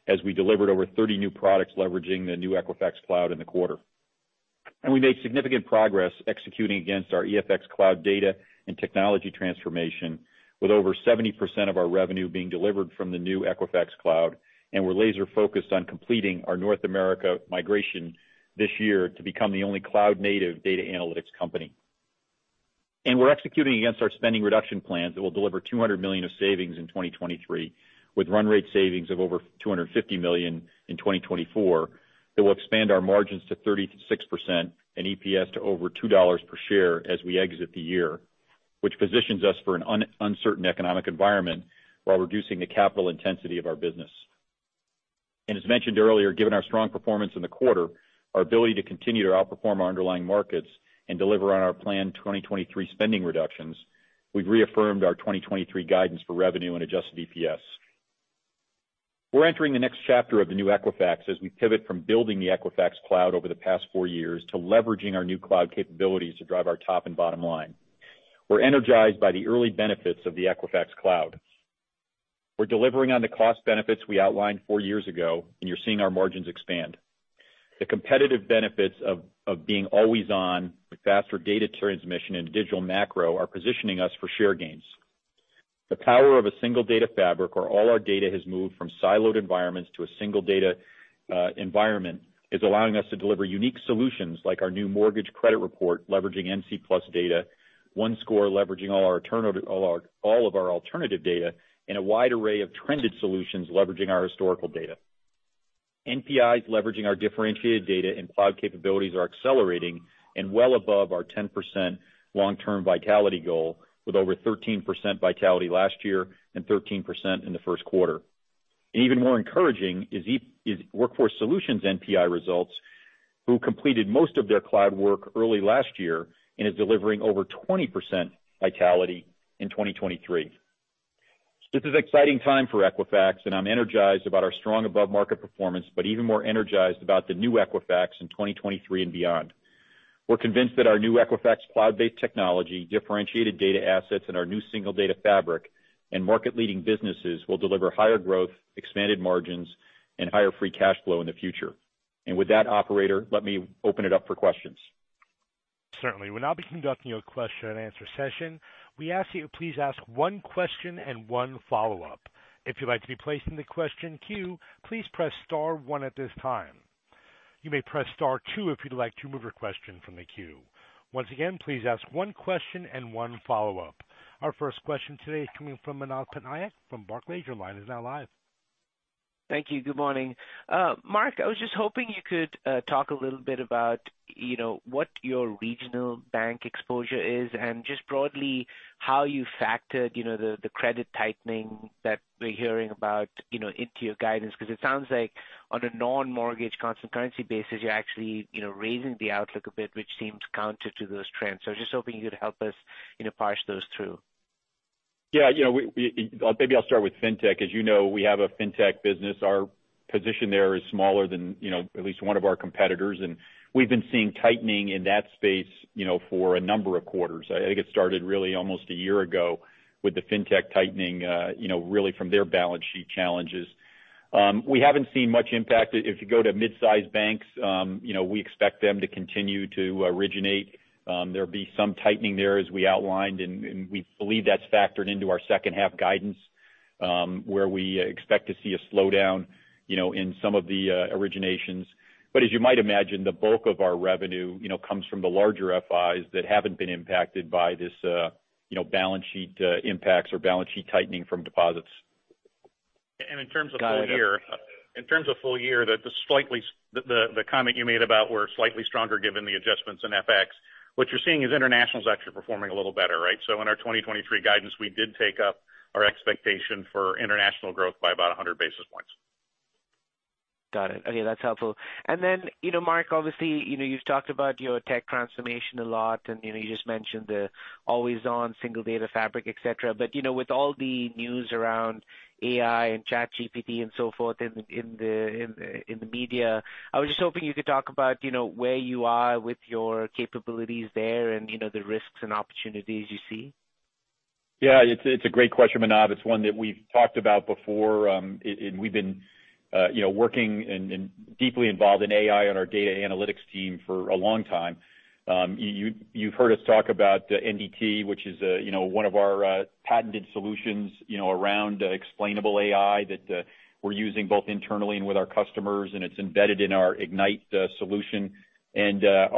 as we delivered over 30 new products leveraging the new Equifax Cloud in the quarter. We made significant progress executing against our EFX Cloud data and technology transformation, with over 70% of our revenue being delivered from the new Equifax Cloud. We're laser focused on completing our North America migration this year to become the only cloud-native data analytics company. We're executing against our spending reduction plans that will deliver $200 million of savings in 2023, with run rate savings of over $250 million in 2024, that will expand our margins to 36% and EPS to over $2 per share as we exit the year, which positions us for an un-uncertain economic environment while reducing the capital intensity of our business. As mentioned earlier, given our strong performance in the quarter, our ability to continue to outperform our underlying markets and deliver on our planned 2023 spending reductions, we've reaffirmed our 2023 guidance for revenue and adjusted EPS. We're entering the next chapter of the new Equifax as we pivot from building the Equifax Cloud over the past four years to leveraging our new cloud capabilities to drive our top and bottom line. We're energized by the early benefits of the Equifax Cloud. We're delivering on the cost benefits we outlined four years ago, and you're seeing our margins expand. The competitive benefits of being always on with faster data transmission and digital macro are positioning us for share gains. The power of a single Data Fabric where all our data has moved from siloed environments to a single data environment is allowing us to deliver unique solutions like our new mortgage credit report leveraging NC+ data, OneScore leveraging all of our alternative data in a wide array of trended solutions leveraging our historical data. NPIs leveraging our differentiated data and cloud capabilities are accelerating and well above our 10% long-term Vitality goal, with over 13% Vitality last year and 13% in the first quarter. Even more encouraging is Workforce Solutions NPI results, who completed most of their cloud work early last year and is delivering over 20% Vitality in 2023. This is an exciting time for Equifax, and I'm energized about our strong above-market performance, but even more energized about the new Equifax in 2023 and beyond. We're convinced that our new Equifax cloud-based technology, differentiated data assets in our new single Data Fabric and market-leading businesses will deliver higher growth, expanded margins, and higher free cash flow in the future. With that, operator, let me open it up for questions. Certainly. We'll now be conducting your question-and-answer session. We ask you to please ask one question and one follow-up. If you'd like to be placed in the question queue, please press star one at this time. You may press star two if you'd like to remove your question from the queue. Once again, please ask one question and one follow-up. Our first question today is coming from Manav Patnaik from Barclays. Your line is now live. Thank you. Good morning. Mark, I was just hoping you could talk a little bit about, you know, what your regional bank exposure is and just broadly how you factored, you know, the credit tightening that we're hearing about, you know, into your guidance, because it sounds like on a non-mortgage constant currency basis, you're actually, you know, raising the outlook a bit, which seems counter to those trends. I was just hoping you'd help us, you know, parse those two. Yeah, you know, maybe I'll start with Fintech. As you know, we have a Fintech business. Our position there is smaller than, you know, at least one of our competitors, and we've been seeing tightening in that space, you know, for a number of quarters. I think it started really almost a year ago with the Fintech tightening, you know, really from their balance sheet challenges. We haven't seen much impact. If you go to mid-sized banks, you know, we expect them to continue to originate. There'll be some tightening there as we outlined, and we believe that's factored into our second half guidance. Where we expect to see a slowdown, you know, in some of the originations. As you might imagine, the bulk of our revenue, you know, comes from the larger FIs that haven't been impacted by this, you know, balance sheet impacts or balance sheet tightening from deposits. In terms of full year- Got it, yep. In terms of full year, the comment you made about we're slightly stronger given the adjustments in FX, what you're seeing is, International is actually performing a little better, right? In our 2023 guidance, we did take up our expectation for International growth by about 100 basis points. Got it. Okay, that's helpful. You know, Mark, obviously, you know, you've talked about your tech transformation a lot, and, you know, you just mentioned the always on single Data Fabric, et cetera. You know, with all the news around AI and ChatGPT and so forth in the media, I was just hoping you could talk about, you know, where you are with your capabilities there and, you know, the risks and opportunities you see. Yeah. It's a great question, Manav. It's one that we've talked about before, and we've been, you know, working and deeply involved in AI on our data analytics team for a long time. You've heard us talk about NDT, which is, you know, one of our patented solutions, you know, around explainable AI that we're using both internally and with our customers, and it's embedded in our Ignite solution. Our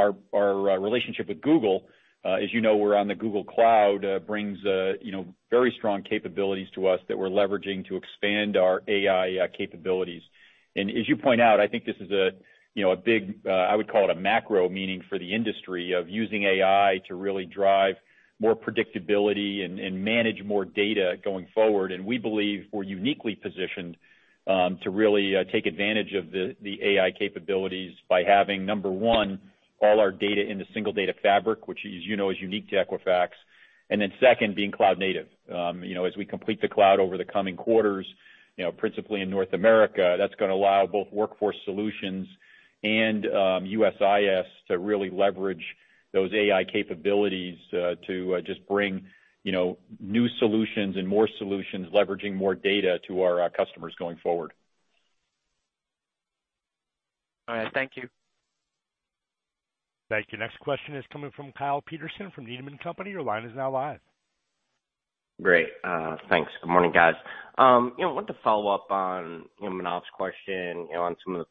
relationship with Google, as you know, we're on the Google Cloud, brings, you know, very strong capabilities to us that we're leveraging to expand our AI capabilities. As you point out, I think this is a, you know, a big, I would call it a macro meaning for the industry of using AI to really drive more predictability and manage more data going forward. We believe we're uniquely positioned to really take advantage of the AI capabilities by having, number one, all our data in the single Data Fabric, which as you know is unique to Equifax. Second, being cloud-native. You know, as we complete the cloud over the coming quarters, you know, principally in North America, that's gonna allow both Workforce Solutions and USIS to really leverage those AI capabilities to just bring, you know, new solutions and more solutions, leveraging more data to our customers going forward. All right. Thank you. Thank you. Next question is coming from Kyle Peterson from Needham & Company. Your line is now live. Great. Thanks. Good morning, guys. You know, wanted to follow up on, you know, Manav's question, you know, on some of the,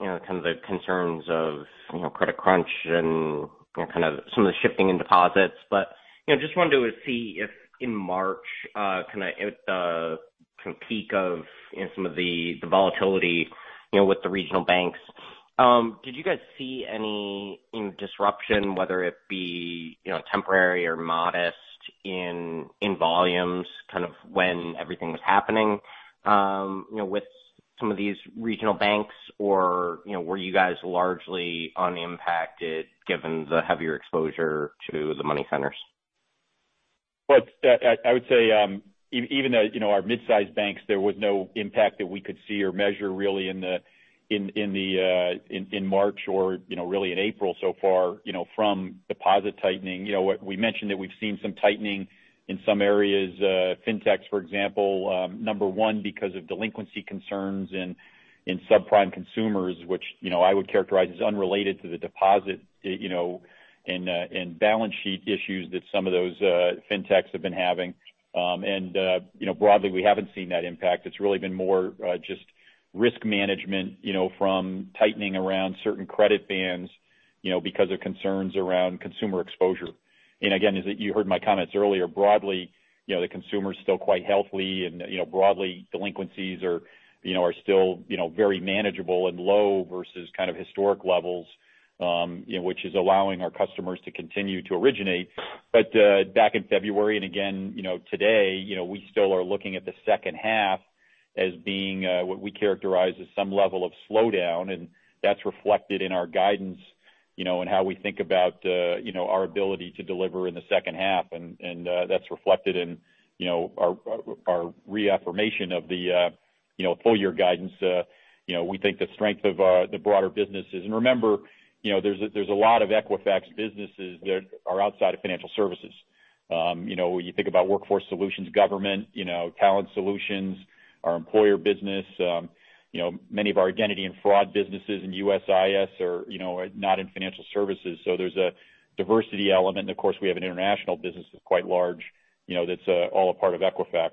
you know, kind of the concerns of, you know, credit crunch and, you know, kind of some of the shifting in deposits. You know, just wanted to see if in March, kinda at the kind of peak of, you know, some of the volatility, you know, with the regional banks, did you guys see any, you know, disruption, whether it be, you know, temporary or modest in volumes kind of when everything was happening, you know, with some of these regional banks or, you know, were you guys largely unimpacted given the heavier exposure to the money centers? Look, I would say, even though, you know, our mid-sized banks, there was no impact that we could see or measure really in the March or, you know, really in April so far, you know, from deposit tightening. You know, what we mentioned that we've seen some tightening in some areas, Fintechs, for example, number one, because of delinquency concerns in subprime consumers, which, you know, I would characterize as unrelated to the deposit, you know, and balance sheet issues that some of those Fintechs have been having. Broadly, we haven't seen that impact. It's really been more just risk management, you know, from tightening around certain credit bands, you know, because of concerns around consumer exposure. Again, as you heard in my comments earlier, broadly, you know, the consumer's still quite healthy and, you know, broadly delinquencies are, you know, are still, you know, very manageable and low versus kind of historic levels, you know, which is allowing our customers to continue to originate. Back in February and again, you know, today, you know, we still are looking at the second half as being what we characterize as some level of slowdown, and that's reflected in our guidance, you know, and how we think about, you know, our ability to deliver in the second half. That's reflected in, you know, our, our reaffirmation of the, you know, full year guidance. We think the strength of, you know, the broader businesses. Remember, you know, there's a lot of Equifax businesses that are outside of financial services. You know, when you think about Workforce Solutions, government, you know, Talent Solutions, our employer business, you know, many of our identity and fraud businesses in USIS are, you know, are not in financial services. There's a diversity element. Of course, we have an international business that's quite large, you know, that's all a part of Equifax.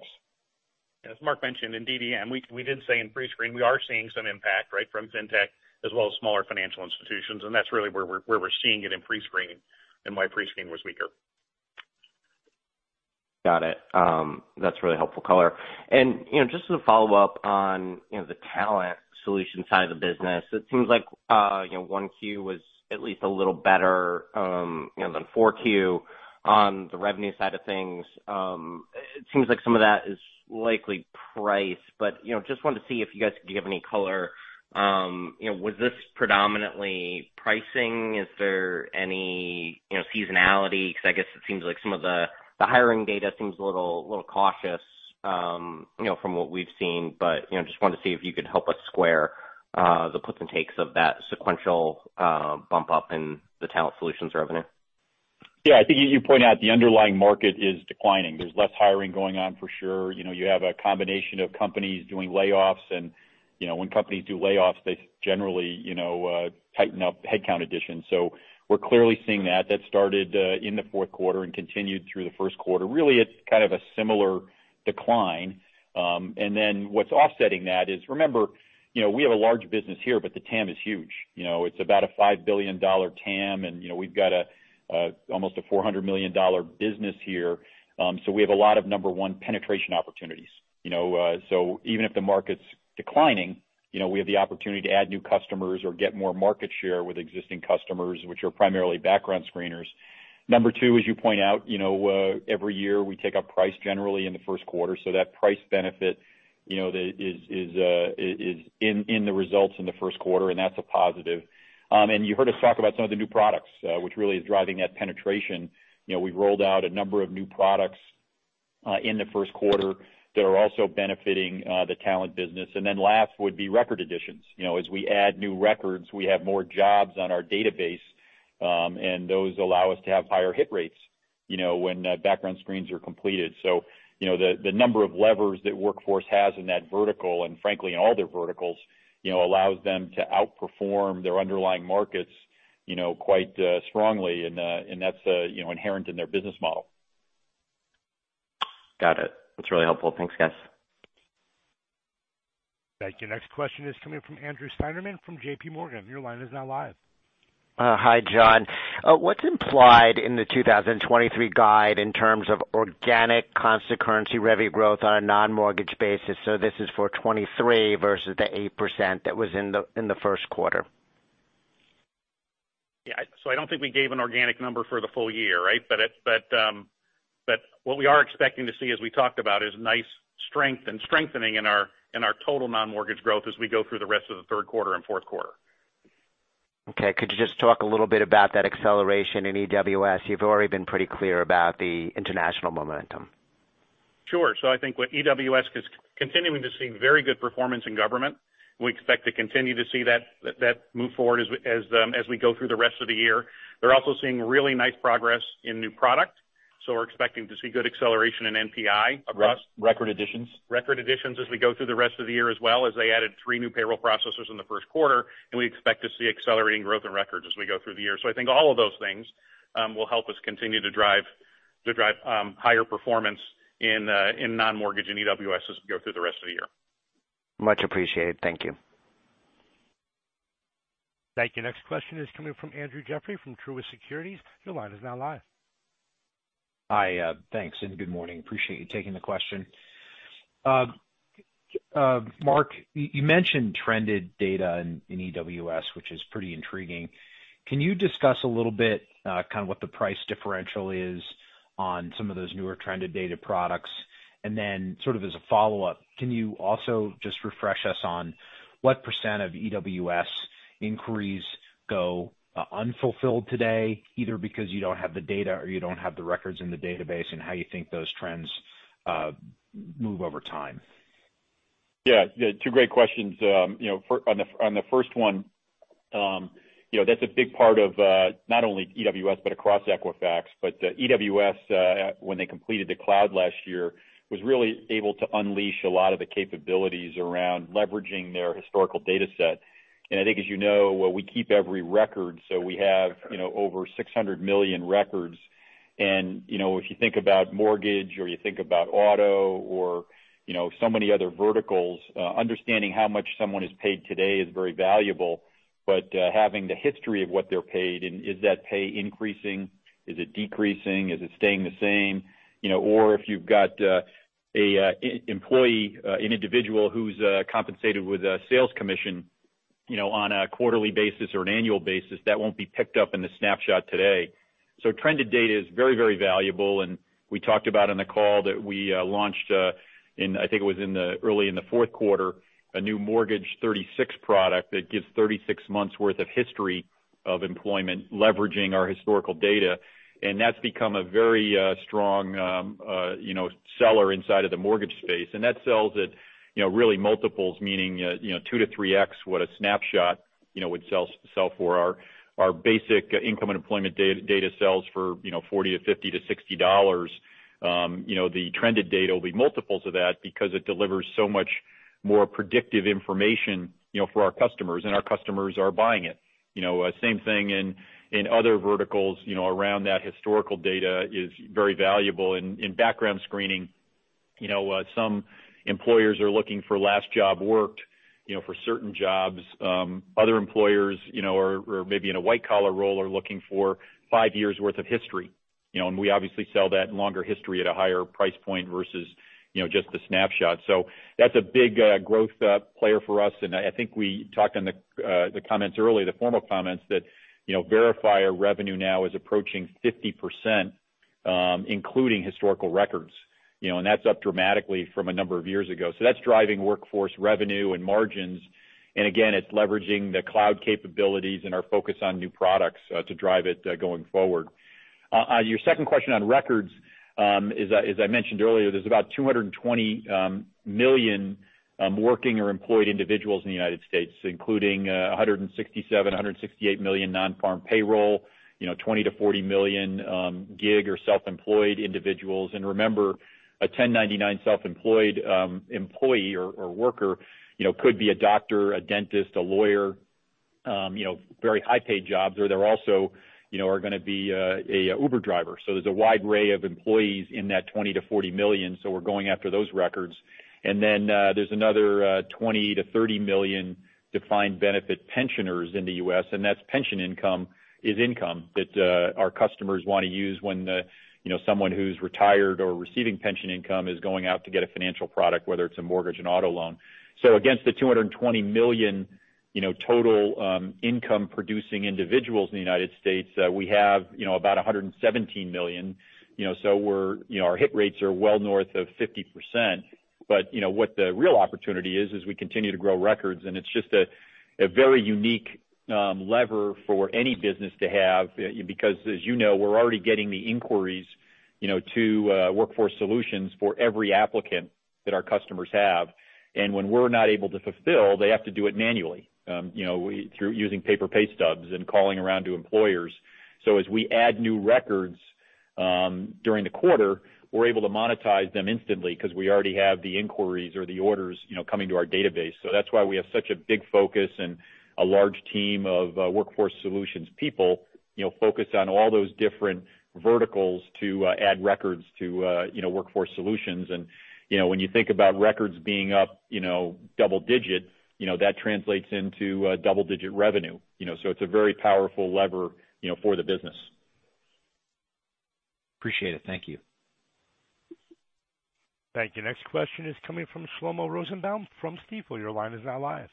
As Mark mentioned, in DDM, we did say in pre-screen, we are seeing some impact, right, from Fintech as well as smaller financial institutions. That's really where we're seeing it in pre-screening and why pre-screening was weaker. Got it. That's really helpful color. You know, just as a follow-up on, you know, the Talent Solutions side of the business, it seems like, you know, 1Q was at least a little better, you know, than 4Q on the revenue side of things. It seems like some of that is likely price, but, you know, just wanted to see if you guys could give any color. You know, was this predominantly pricing? Is there any, you know, seasonality? 'Cause I guess it seems like some of the hiring data seems a little cautious, you know, from what we've seen, but, you know, just wanted to see if you could help us square the puts and takes of that sequential bump up in the Talent Solutions revenue. Yeah, I think you point out the underlying market is declining. There's less hiring going on for sure. You know, you have a combination of companies doing layoffs and, you know, when companies do layoffs, they generally, you know, tighten up headcount additions. We're clearly seeing that. That started in the fourth quarter and continued through the first quarter. Really it's kind of a similar decline. What's offsetting that is remember, you know, we have a large business here, but the TAM is huge. You know, it's about a $5 billion TAM, and, you know, we've got almost a $400 million business here. We have a lot of number one penetration opportunities, you know. Even if the market's declining, you know, we have the opportunity to add new customers or get more market share with existing customers, which are primarily background screeners. Number two, as you point out, you know, every year we take our price generally in the first quarter, so that price benefit, you know, that is in the results in the first quarter, and that's a positive. You heard us talk about some of the new products, which really is driving that penetration. You know, we've rolled out a number of new products in the first quarter that are also benefiting the talent business. Last would be record additions. You know, as we add new records, we have more jobs on our database, and those allow us to have higher hit rates, you know, when, background screens are completed. You know, the number of levers that Workforce has in that vertical and frankly in all their verticals, you know, allows them to outperform their underlying markets, you know, quite strongly. That's, you know, inherent in their business model. Got it. That's really helpful. Thanks, guys. Thank you. Next question is coming from Andrew Steinerman from JPMorgan. Your line is now live. Hi, John. What's implied in the 2023 guide in terms of organic constant currency revenue growth on a non-mortgage basis? This is for 2023 versus the 8% that was in the first quarter. Yeah. I don't think we gave an organic number for the full year, right? But what we are expecting to see as we talked about, is nice strength and strengthening in our total non-mortgage growth as we go through the rest of the third quarter and fourth quarter. Okay. Could you just talk a little bit about that acceleration in EWS? You've already been pretty clear about the International momentum. Sure. I think what EWS is continuing to see very good performance in government. We expect to continue to see that move forward as we go through the rest of the year. They're also seeing really nice progress in new product. We're expecting to see good acceleration in NPI. Record additions? Record additions as we go through the rest of the year as well, as they added three new payroll processors in the first quarter. We expect to see accelerating growth in records as we go through the year. I think all of those things will help us continue to drive higher performance in non-mortgage and EWS as we go through the rest of the year. Much appreciated. Thank you. Thank you. Next question is coming from Andrew Jeffrey from Truist Securities. Your line is now live. Hi. Thanks, good morning. Appreciate you taking the question. Mark, you mentioned trended data in EWS, which is pretty intriguing. Can you discuss a little bit kind of what the price differential is on some of those newer trended data products? Sort of as a follow-up, can you also just refresh us on what percent of EWS inquiries go unfulfilled today, either because you don't have the data or you don't have the records in the database, and how you think those trends move over time? Yeah, two great questions. You know, on the first one, you know, that's a big part of not only EWS, but across Equifax. EWS, when they completed the cloud last year, was really able to unleash a lot of the capabilities around leveraging their historical data set. I think as you know, we keep every record, so we have, you know, over 600 million records. If you think about mortgage or you think about auto or, you know, so many other verticals, understanding how much someone is paid today is very valuable. Having the history of what they're paid and is that pay increasing, is it decreasing, is it staying the same? You know, or if you've got a employee, an individual who's compensated with a sales commission, you know, on a quarterly basis or an annual basis, that won't be picked up in the snapshot today. Very, very valuable. We talked about on the call that we launched in I think it was in the early in the fourth quarter, a new Mortgage 36 product that gives 36 months' worth of history of employment, leveraging our historical data. That's become a very strong seller inside of the mortgage space. That sells at multiples, meaning 2x-3x what a snapshot would sell for. Our basic income and employment data sells for $40-$50-$60. The trended data will be multiples of that because it delivers so much more predictive information for our customers, and our customers are buying it. You know, same thing in other verticals, you know, around that historical data is very valuable. In, in background screening, you know, some employers are looking for last job worked, you know, for certain jobs. Other employers, you know, are maybe in a white collar role, are looking for five years worth of history. You know, and we obviously sell that longer history at a higher price point versus, you know, just the snapshot. That's a big growth player for us. I think we talked on the comments earlier, the formal comments that, you know, Verifier revenue now is approaching 50%, including historical records, you know, and that's up dramatically from a number of years ago. That's driving Workforce revenue and margins. Again, it's leveraging the cloud capabilities and our focus on new products to drive it going forward. Your second question on records, as I mentioned earlier, there's about $220 million working or employed individuals in the United States, including $167 million-$168 million non-farm payroll, you know, $20 million-$40 million gig or self-employed individuals. Remember, a 1099 self-employed employee or worker, you know, could be a doctor, a dentist, a lawyer. You know, very high paid jobs or they're also, you know, are gonna be a Uber driver. There's a wide array of employees in that $20 million-$40 million. We're going after those records. Then there's another $20 million-$30 million defined benefit pensioners in the US, and that's pension income is income that our customers wanna use when, you know, someone who's retired or receiving pension income is going out to get a financial product, whether it's a mortgage and auto loan. Against the $220 million, you know, total income producing individuals in the United States, we have, you know, about $117 million. You know, our hit rates are well north of 50%. You know, what the real opportunity is we continue to grow records, and it's just a very unique lever for any business to have because as you know, we're already getting the inquiries, you know, to Workforce Solutions for every applicant that our customers have. When we're not able to fulfill, they have to do it manually, you know, through using paper pay stubs and calling around to employers. As we add new records, during the quarter, we're able to monetize them instantly 'cause we already have the inquiries or the orders, you know, coming to our database. That's why we have such a big focus and a large team of Workforce Solutions people, you know, focused on all those different verticals to add records to, you know, Workforce Solutions. You know, when you think about records being up, you know, double digit, you know, that translates into double digit revenue. You know, it's a very powerful lever, you know, for the business. Appreciate it. Thank you. Thank you. Next question is coming from Shlomo Rosenbaum from Stifel. Your line is now live.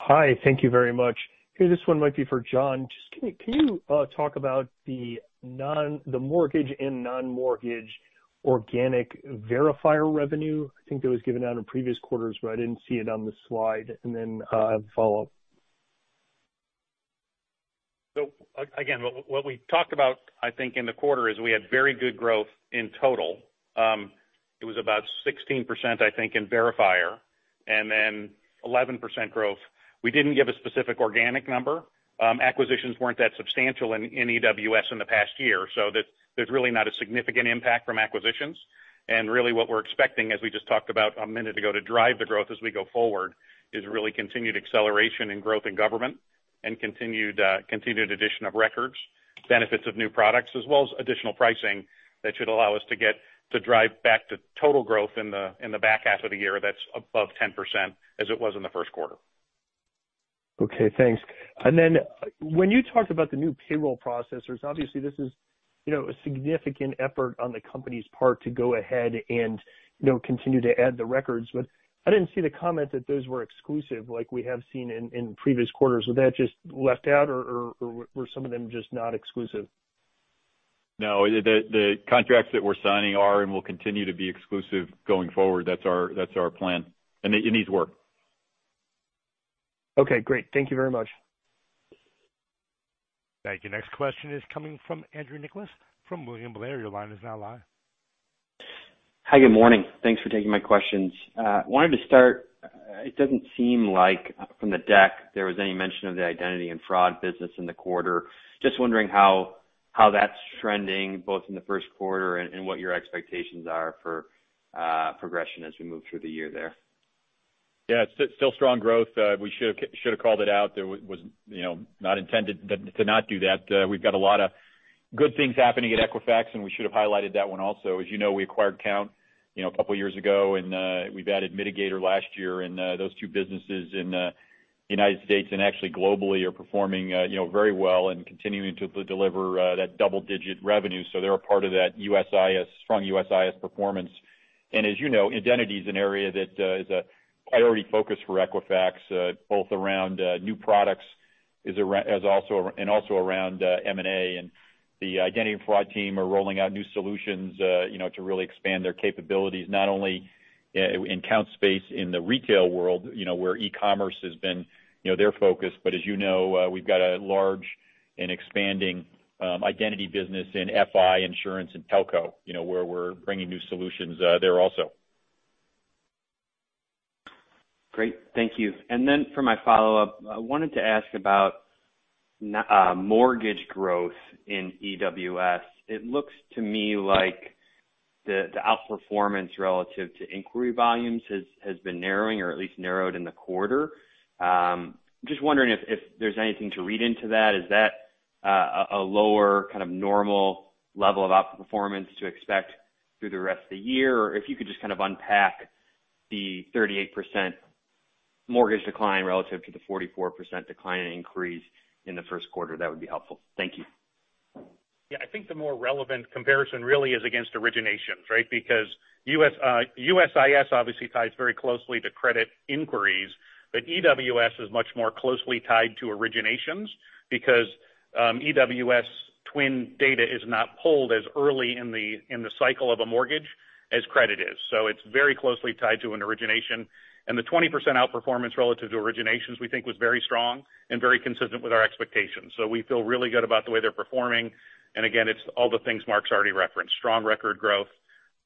Hi. Thank you very much. Okay, this one might be for John. Just can you talk about the mortgage and non-mortgage organic verifier revenue? I think that was given out in previous quarters, but I didn't see it on the slide. I have a follow-up. Again, what we talked about, I think in the quarter, is we had very good growth in total. It was about 16%, I think, in Verifier and then 11% growth. We didn't give a specific organic number. Acquisitions weren't that substantial in EWS in the past year, so that there's really not a significant impact from acquisitions. Really what we're expecting, as we just talked about a minute ago, to drive the growth as we go forward, is really continued acceleration and growth in government and continued addition of records, benefits of new products, as well as additional pricing that should allow us to drive back to total growth in the back half of the year that's above 10% as it was in the first quarter. Okay, thanks. Then when you talked about the new payroll processors, obviously this is, you know, a significant effort on the company's part to go ahead and, you know, continue to add the records. I didn't see the comment that those were exclusive like we have seen in previous quarters. Was that just left out or were some of them just not exclusive? No, the contracts that we're signing are and will continue to be exclusive going forward. That's our plan. It needs work. Okay, great. Thank you very much. Thank you. Next question is coming from Andrew Nicholas from William Blair. Your line is now live. Hi, good morning. Thanks for taking my questions. Wanted to start, it doesn't seem like from the deck there was any mention of the identity and fraud business in the quarter. Just wondering how that's trending both in the first quarter and what your expectations are for progression as we move through the year there. Yeah, it's still strong growth. We should've called it out. There was, you know, not intended to not do that. We've got a lot of good things happening at Equifax, and we should have highlighted that one also. As you know, we acquired Kount, you know, a couple of years ago and we've added Midigator last year. Those two businesses in United States and actually globally are performing, you know, very well and continuing to deliver that double-digit revenue. They're a part of that USIS, strong USIS performance. As you know, identity is an area that is a priority focus for Equifax, both around new products and also around M&A. The identity fraud team are rolling out new solutions, you know, to really expand their capabilities, not only in Kount space in the retail world, you know, where e-commerce has been, you know, their focus. As you know, we've got a large and expanding, identity business in FI insurance and telco, you know, where we're bringing new solutions, there also. Great. Thank you. For my follow-up, I wanted to ask about mortgage growth in EWS. It looks to me like the outperformance relative to inquiry volumes has been narrowing or at least narrowed in the quarter. Just wondering if there's anything to read into that. Is that a lower kind of normal level of outperformance to expect through the rest of the year? Or if you could just kind of unpack the 38% mortgage decline relative to the 44% decline in inquiries in the first quarter, that would be helpful. Thank you. I think the more relevant comparison really is against originations, right? Because USIS obviously ties very closely to credit inquiries, but EWS is much more closely tied to originations because EWS TWN data is not pulled as early in the, in the cycle of a mortgage as credit is. It's very closely tied to an origination. The 20% outperformance relative to originations, we think was very strong and very consistent with our expectations. We feel really good about the way they're performing. Again, it's all the things Mark's already referenced: strong record growth,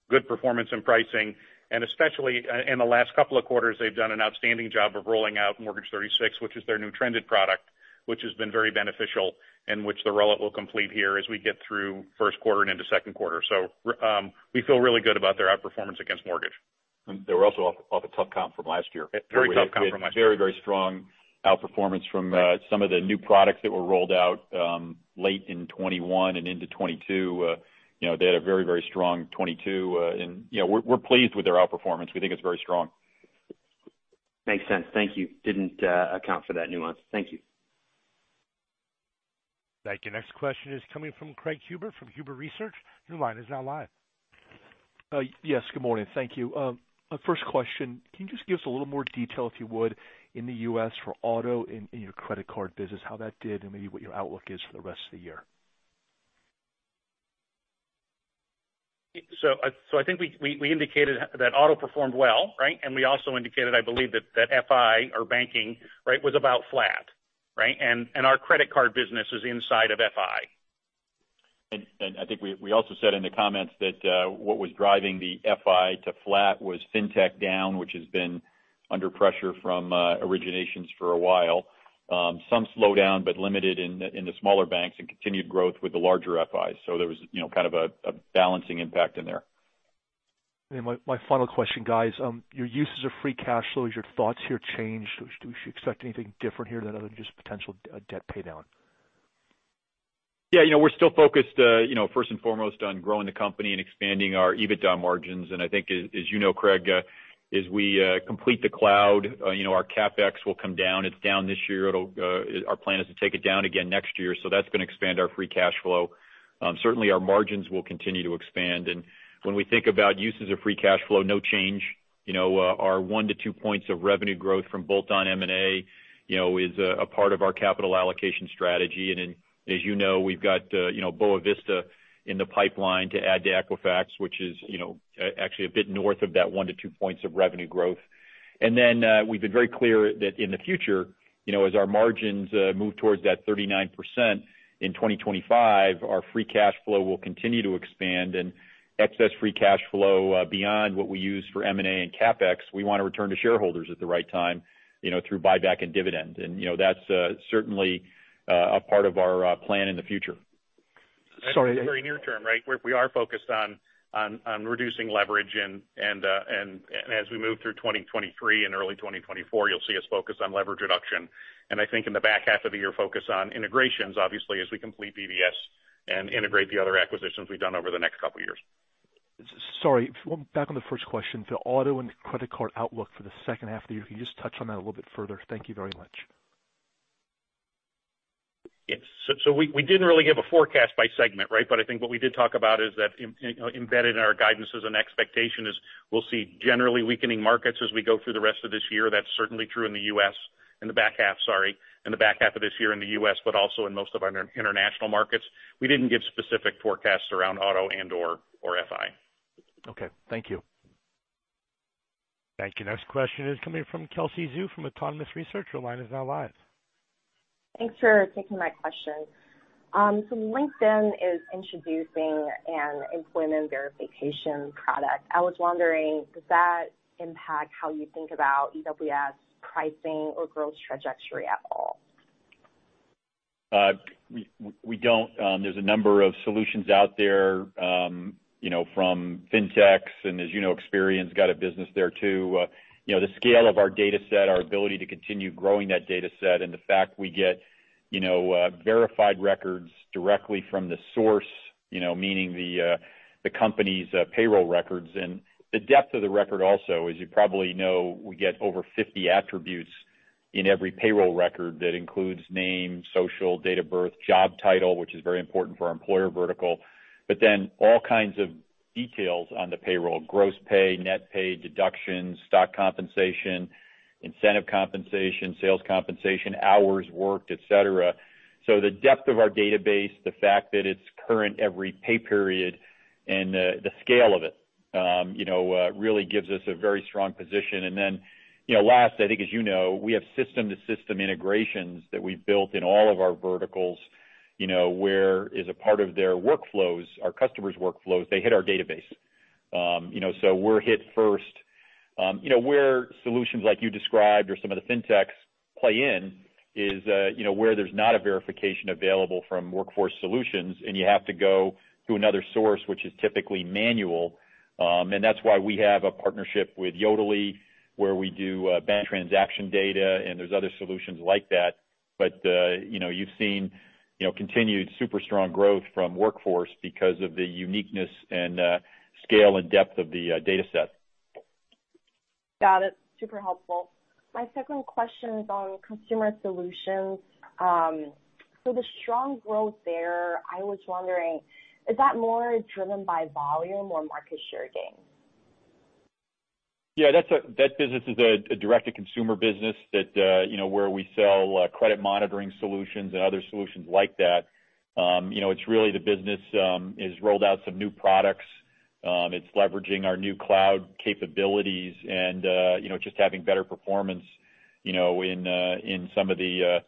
good performance and pricing, and especially in the last couple of quarters, they've done an outstanding job of rolling out Mortgage 36, which is their new trended product. Has been very beneficial, and which the rollout will complete here as we get through first quarter and into second quarter. We feel really good about their outperformance against mortgage. They were also off a tough comp from last year. Very tough comp from last year. We had very, very strong outperformance from some of the new products that were rolled out late in 2021 and into 2022. You know, they had a very, very strong 2022. You know, we're pleased with their outperformance. We think it's very strong. Makes sense. Thank you. Didn't account for that nuance. Thank you. Thank you. Next question is coming from Craig Huber, from Huber Research. Your line is now live. Yes, good morning. Thank you. First question, can you just give us a little more detail, if you would, in the U.S. for auto in your credit card business, how that did and maybe what your outlook is for the rest of the year? I think we indicated that auto performed well, right? We also indicated, I believe that FI or banking, right, was about flat, right? Our credit card business is inside of FI. I think we also said in the comments that what was driving the FI to flat was Fintech down, which has been under pressure from originations for a while. Some slowdown, but limited in the smaller banks and continued growth with the larger FIs. There was, you know, kind of a balancing impact in there. My final question, guys. Your uses of free cash flows, your thoughts here change. Do we expect anything different here other than just potential, debt pay down? Yeah, you know, we're still focused, you know, first and foremost on growing the company and expanding our EBITDA margins. I think as you know, Craig, as we complete the cloud, you know, our CapEx will come down. It's down this year. Our plan is to take it down again next year, so that's gonna expand our free cash flow. Certainly our margins will continue to expand. When we think about uses of free cash flow, no change. You know, our one to two points of revenue growth from bolt-on M&A, you know, is a part of our capital allocation strategy. As you know, we've got, you know, Boa Vista in the pipeline to add to Equifax, which is, you know, actually a bit north of that one to two points of revenue growth. Then, we've been very clear that in the future, you know, as our margins move towards that 39% in 2025, our free cash flow will continue to expand. Excess free cash flow, beyond what we use for M&A and CapEx, we wanna return to shareholders at the right time, you know, through buyback and dividend. You know, that's certainly a part of our plan in the future. Sorry- Very near term, right? We are focused on reducing leverage as we move through 2023 and early 2024, you'll see us focus on leverage reduction. I think in the back half of the year, focus on integrations, obviously, as we complete BVS and integrate the other acquisitions we've done over the next couple years. Sorry. Back on the first question. The auto and credit card outlook for the second half of the year, can you just touch on that a little bit further? Thank you very much. We didn't really give a forecast by segment, right? I think what we did talk about is that embedded in our guidance as an expectation is we'll see generally weakening markets as we go through the rest of this year. That's certainly true in the U.S., in the back half, sorry, in the back half of this year in the U.S., but also in most of our international markets. We didn't give specific forecasts around auto and/or FI. Okay. Thank you. Thank you. Next question is coming from Kelsey Zhu from Autonomous Research. Your line is now live. Thanks for taking my question. LinkedIn is introducing an employment verification product. I was wondering, does that impact how you think about EWS pricing or growth trajectory at all? We don't. There's a number of solutions out there, you know, from Fintechs, and as you know, Experian's got a business there too. You know, the scale of our dataset, our ability to continue growing that dataset, and the fact we get, you know, verified records directly from the source, you know, meaning the company's payroll records. The depth of the record also, as you probably know, we get over 50 attributes in every payroll record that includes name, social, date of birth, job title, which is very important for our employer vertical. All kinds of details on the payroll, gross pay, net pay, deductions, stock compensation, incentive compensation, sales compensation, hours worked, et cetera. The depth of our database, the fact that it's current every pay period and, you know, the scale of it, really gives us a very strong position. You know, last, I think as you know, we have system to system integrations that we've built in all of our verticals, you know, where as a part of their workflows, our customers' workflows, they hit our database. You know, so we're hit first. You know, where solutions like you described or some of the Fintechs play in is, you know, where there's not a verification available from Workforce Solutions, and you have to go to another source, which is typically manual. That's why we have a partnership with Yodlee, where we do bank transaction data, and there's other solutions like that. You know, you've seen, you know, continued super strong growth from Workforce because of the uniqueness and scale and depth of the data set. Got it. Super helpful. My second question is on global consumer solutions. The strong growth there, I was wondering, is that more driven by volume or market share gains? That business is a direct to consumer business that, you know, where we sell credit monitoring solutions and other solutions like that. You know, it's really the business has rolled out some new products. It's leveraging our new cloud capabilities and, you know, just having better performance, you know, in some of the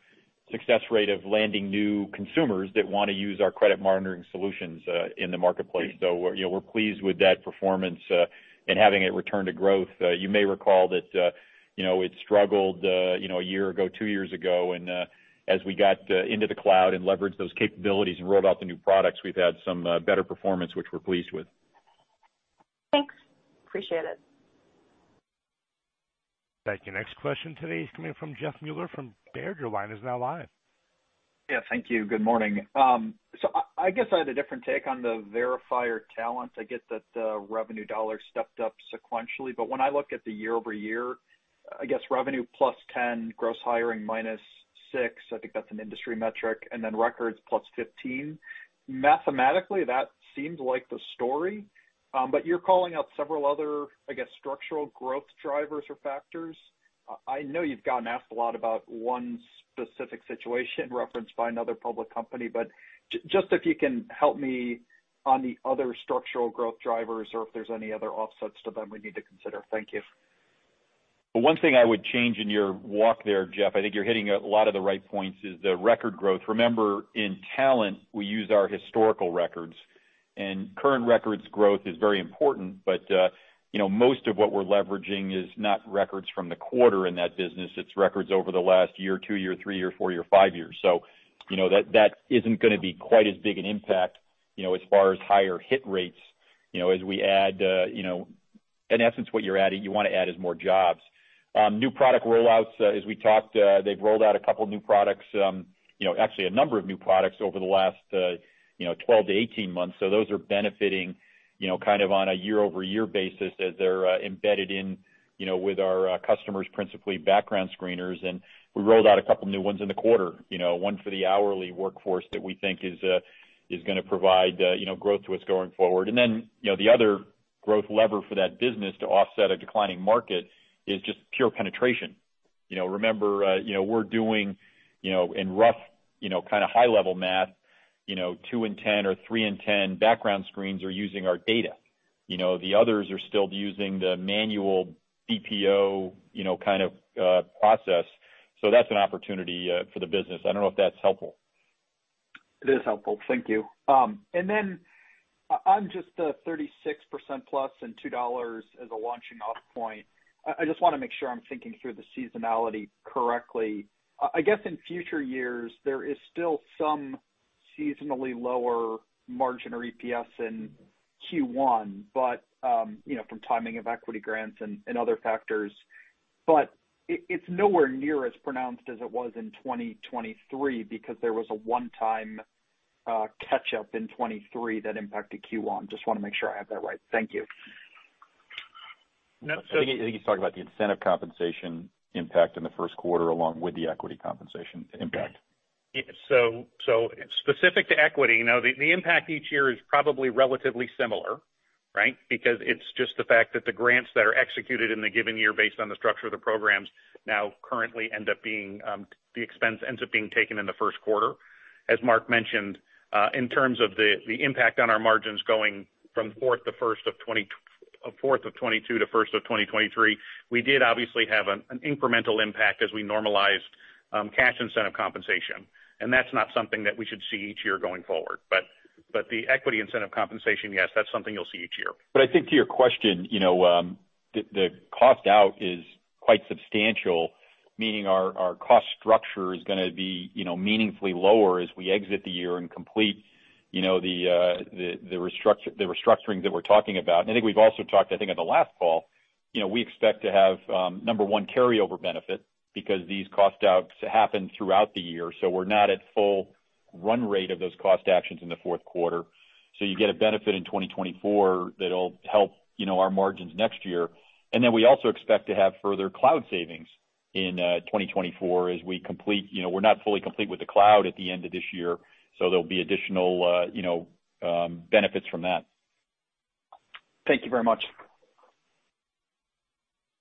success rate of landing new consumers that want to use our credit monitoring solutions in the marketplace. We're, you know, we're pleased with that performance and having it return to growth. You may recall that, you know, it struggled, you know, one year ago, two years ago. As we got into the cloud and leveraged those capabilities and rolled out the new products, we've had some better performance, which we're pleased with. Thanks. Appreciate it. Thank you. Next question today is coming from Jeffrey Meuler from Baird. Your line is now live. Yeah, thank you. Good morning. I guess I had a different take on the Verifier talent. I get that the revenue dollar stepped up sequentially, but when I look at the year-over-year, I guess, revenue +10%, gross hiring -6%, I think that's an industry metric, and then records +15%. Mathematically, that seems like the story. You're calling out several other, I guess, structural growth drivers or factors. I know you've gotten asked a lot about one specific situation referenced by another public company, but just if you can help me on the other structural growth drivers or if there's any other offsets to them we need to consider. Thank you. The one thing I would change in your walk there, Jeff, I think you're hitting a lot of the right points, is the record growth. Remember, in talent, we use our historical records, and current records growth is very important, but, you know, most of what we're leveraging is not records from the quarter in that business, it's records over the last year, two year, three year, four year, five years. You know, that isn't gonna be quite as big an impact, you know, as far as higher hit rates, you know, as we add, you know. In essence, what you're adding, you wanna add is more jobs. New product rollouts, as we talked, they've rolled out a couple new products, you know, actually a number of new products over the last, you know, 12 to 18 months. Those are benefiting, you know, kind of on a year-over-year basis as they're embedded in, you know, with our customers, principally background screeners. We rolled out a couple new ones in the quarter, you know, one for the hourly workforce that we think is gonna provide, you know, growth to us going forward. Then, you know, the other growth lever for that business to offset a declining market is just pure penetration. You know, remember, you know, we're doing, you know, in rough, you know, kinda high level math, you know, two in 10 or three in 10 background screens are using our data. You know, the others are still using the manual BPO, you know, kind of process. That's an opportunity for the business. I don't know if that's helpful. It is helpful. Thank you. On just the 36%+ and $2 as a launching off point, I just wanna make sure I'm thinking through the seasonality correctly. I guess in future years, there is still some seasonally lower margin or EPS in Q1, you know, from timing of equity grants and other factors. It's nowhere near as pronounced as it was in 2023 because there was a one-time catch up in 2023 that impacted Q1. Just wanna make sure I have that right. Thank you. I think he's talking about the incentive compensation impact in the first quarter, along with the equity compensation impact. Specific to equity, the impact each year is probably relatively similar, right? Because it's just the fact that the grants that are executed in the given year based on the structure of the programs now currently end up being, the expense ends up being taken in the first quarter. As Mark mentioned, in terms of the impact on our margins going from fourth of 2022 to first of 2023, we did obviously have an incremental impact as we normalized cash incentive compensation. That's not something that we should see each year going forward. The equity incentive compensation, yes, that's something you'll see each year. I think to your question, you know, the cost out is quite substantial, meaning our cost structure is gonna be, you know, meaningfully lower as we exit the year and complete, you know, the restructuring that we're talking about. I think we've also talked, I think on the last call, you know, we expect to have number one, carryover benefit because these cost outs happen throughout the year, so we're not at full run rate of those cost actions in the fourth quarter. You get a benefit in 2024 that'll help, you know, our margins next year. We also expect to have further cloud savings in 2024 as we complete... You know, we're not fully complete with the cloud at the end of this year, so there'll be additional, you know, benefits from that. Thank you very much.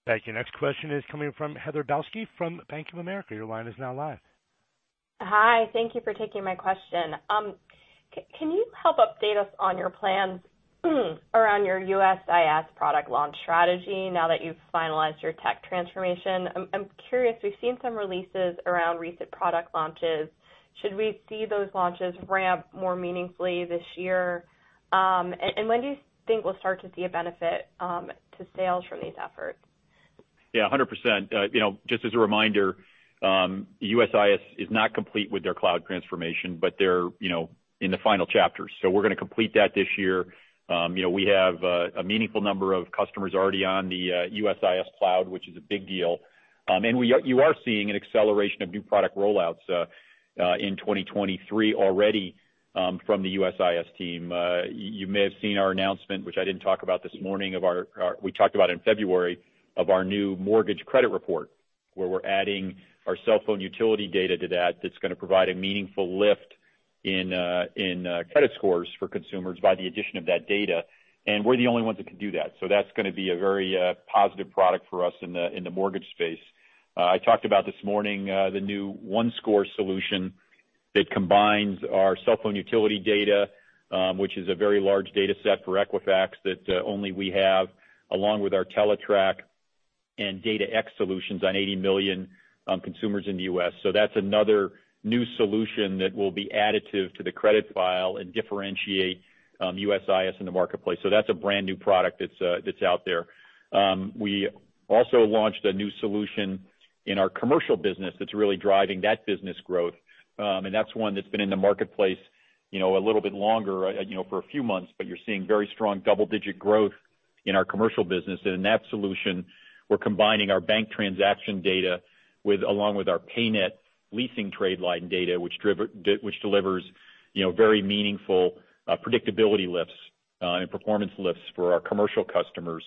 Thank you. Next question is coming from Heather Balsky from Bank of America. Your line is now live. Hi. Thank you for taking my question. Can you help update us on your plans around your USIS product launch strategy now that you've finalized your tech transformation? I'm curious, we've seen some releases around recent product launches. Should we see those launches ramp more meaningfully this year? When do you think we'll start to see a benefit to sales from these efforts? Yeah, 100%. You know, just as a reminder, USIS is not complete with their cloud transformation, but they're, you know, in the final chapters. We're gonna complete that this year. You know, we have a meaningful number of customers already on the USIS cloud, which is a big deal. You are seeing an acceleration of new product rollouts in 2023 already from the USIS team. You may have seen our announcement, which I didn't talk about this morning, we talked about in February, of our new mortgage credit report, where we're adding our cell phone utility data to that's gonna provide a meaningful lift in credit scores for consumers by the addition of that data. We're the only ones that can do that. That's gonna be a very positive product for us in the mortgage space. I talked about this morning, the new OneScore solution. It combines our cell phone utility data, which is a very large data set for Equifax that only we have, along with our Teletrack and DataX solutions on 80 million consumers in the U.S. That's another new solution that will be additive to the credit file and differentiate USIS in the marketplace. That's a brand-new product that's out there. We also launched a new solution in our commercial business that's really driving that business growth. That's one that's been in the marketplace, you know, a little bit longer, you know, for a few months, but you're seeing very strong double-digit growth in our commercial business. In that solution, we're combining our bank transaction data along with our PayNet leasing trade line data, which delivers, you know, very meaningful predictability lifts and performance lifts for our commercial customers.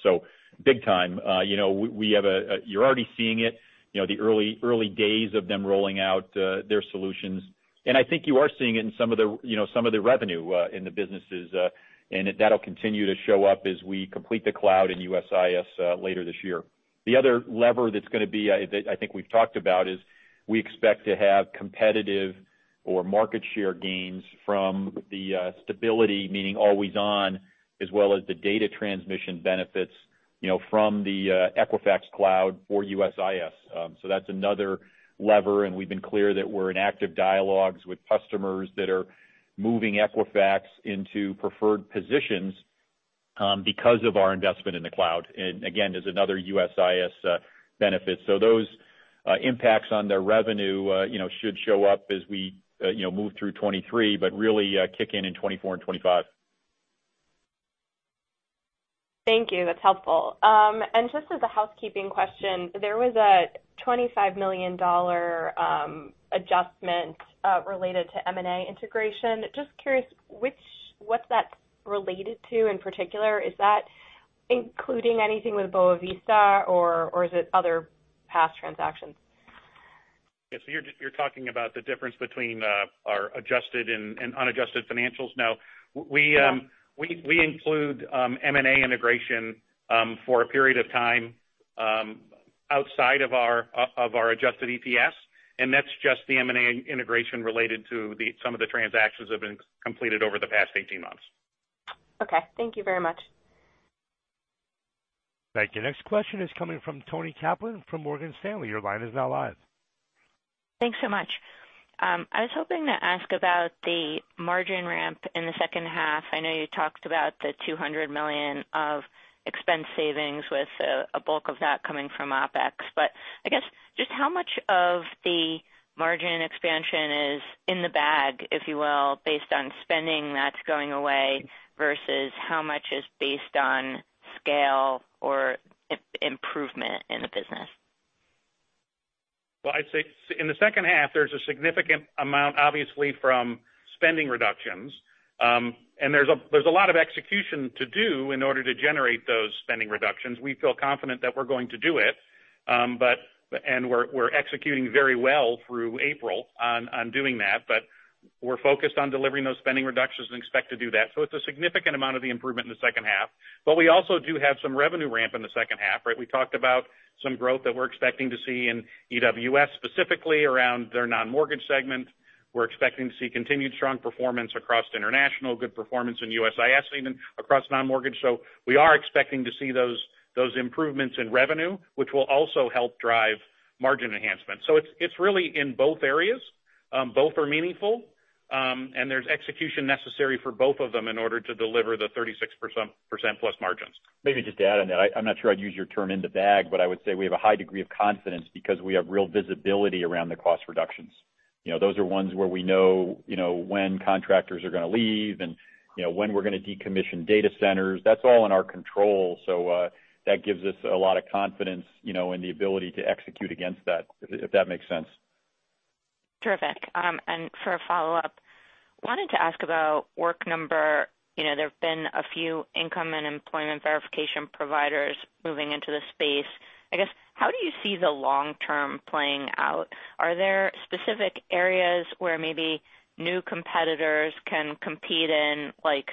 Big time. You know, we have a. You're already seeing it, you know, the early days of them rolling out their solutions. I think you are seeing it in some of the, you know, some of the revenue in the businesses, and that'll continue to show up as we complete the cloud in USIS later this year. The other lever that's gonna be that I think we've talked about is we expect to have competitive or market share gains from the stability, meaning always on, as well as the data transmission benefits, you know, from the Equifax Cloud for USIS. That's another lever, and we've been clear that we're in active dialogues with customers that are moving Equifax into preferred positions because of our investment in the cloud. Again, there's another USIS benefit. Those impacts on their revenue, you know, should show up as we, you know, move through 2023, but really kick in in 2024 and 2025. Thank you. That's helpful. Just as a housekeeping question, there was a $25 million adjustment related to M&A integration. Just curious what's that related to in particular? Is that including anything with Boa Vista or is it other past transactions? Yes. You're talking about the difference between our adjusted and unadjusted financials. No. We include M&A integration for a period of time outside of our adjusted EPS, and that's just the M&A integration related to the some of the transactions that have been completed over the past 18 months. Okay. Thank you very much. Thank you. Next question is coming from Toni Kaplan from Morgan Stanley. Your line is now live. Thanks so much. I was hoping to ask about the margin ramp in the second half. I know you talked about the $200 million of expense savings with a bulk of that coming from OpEx. I guess just how much of the margin expansion is in the bag, if you will, based on spending that's going away, versus how much is based on scale or improvement in the business? I'd say in the second half, there's a significant amount, obviously, from spending reductions. There's a lot of execution to do in order to generate those spending reductions. We feel confident that we're going to do it, but we're executing very well through April on doing that. We're focused on delivering those spending reductions and expect to do that. It's a significant amount of the improvement in the second half. We also do have some revenue ramp in the second half, right? We talked about some growth that we're expecting to see in EWS, specifically around their non-mortgage segment. We're expecting to see continued strong performance across International, good performance in USIS even across non-mortgage. We are expecting to see those improvements in revenue, which will also help drive margin enhancement. It's, it's really in both areas. Both are meaningful, and there's execution necessary for both of them in order to deliver the 36%+ margins. Maybe just to add on that. I'm not sure I'd use your term in the bag, but I would say we have a high degree of confidence because we have real visibility around the cost reductions. You know, those are ones where we know, you know, when contractors are gonna leave and, you know, when we're gonna decommission data centers. That's all in our control. That gives us a lot of confidence, you know, in the ability to execute against that, if that makes sense. Terrific. For a follow-up, wanted to ask about Work Number. You know, there have been a few income and employment verification providers moving into the space. I guess, how do you see the long term playing out? Are there specific areas where maybe new competitors can compete in, like,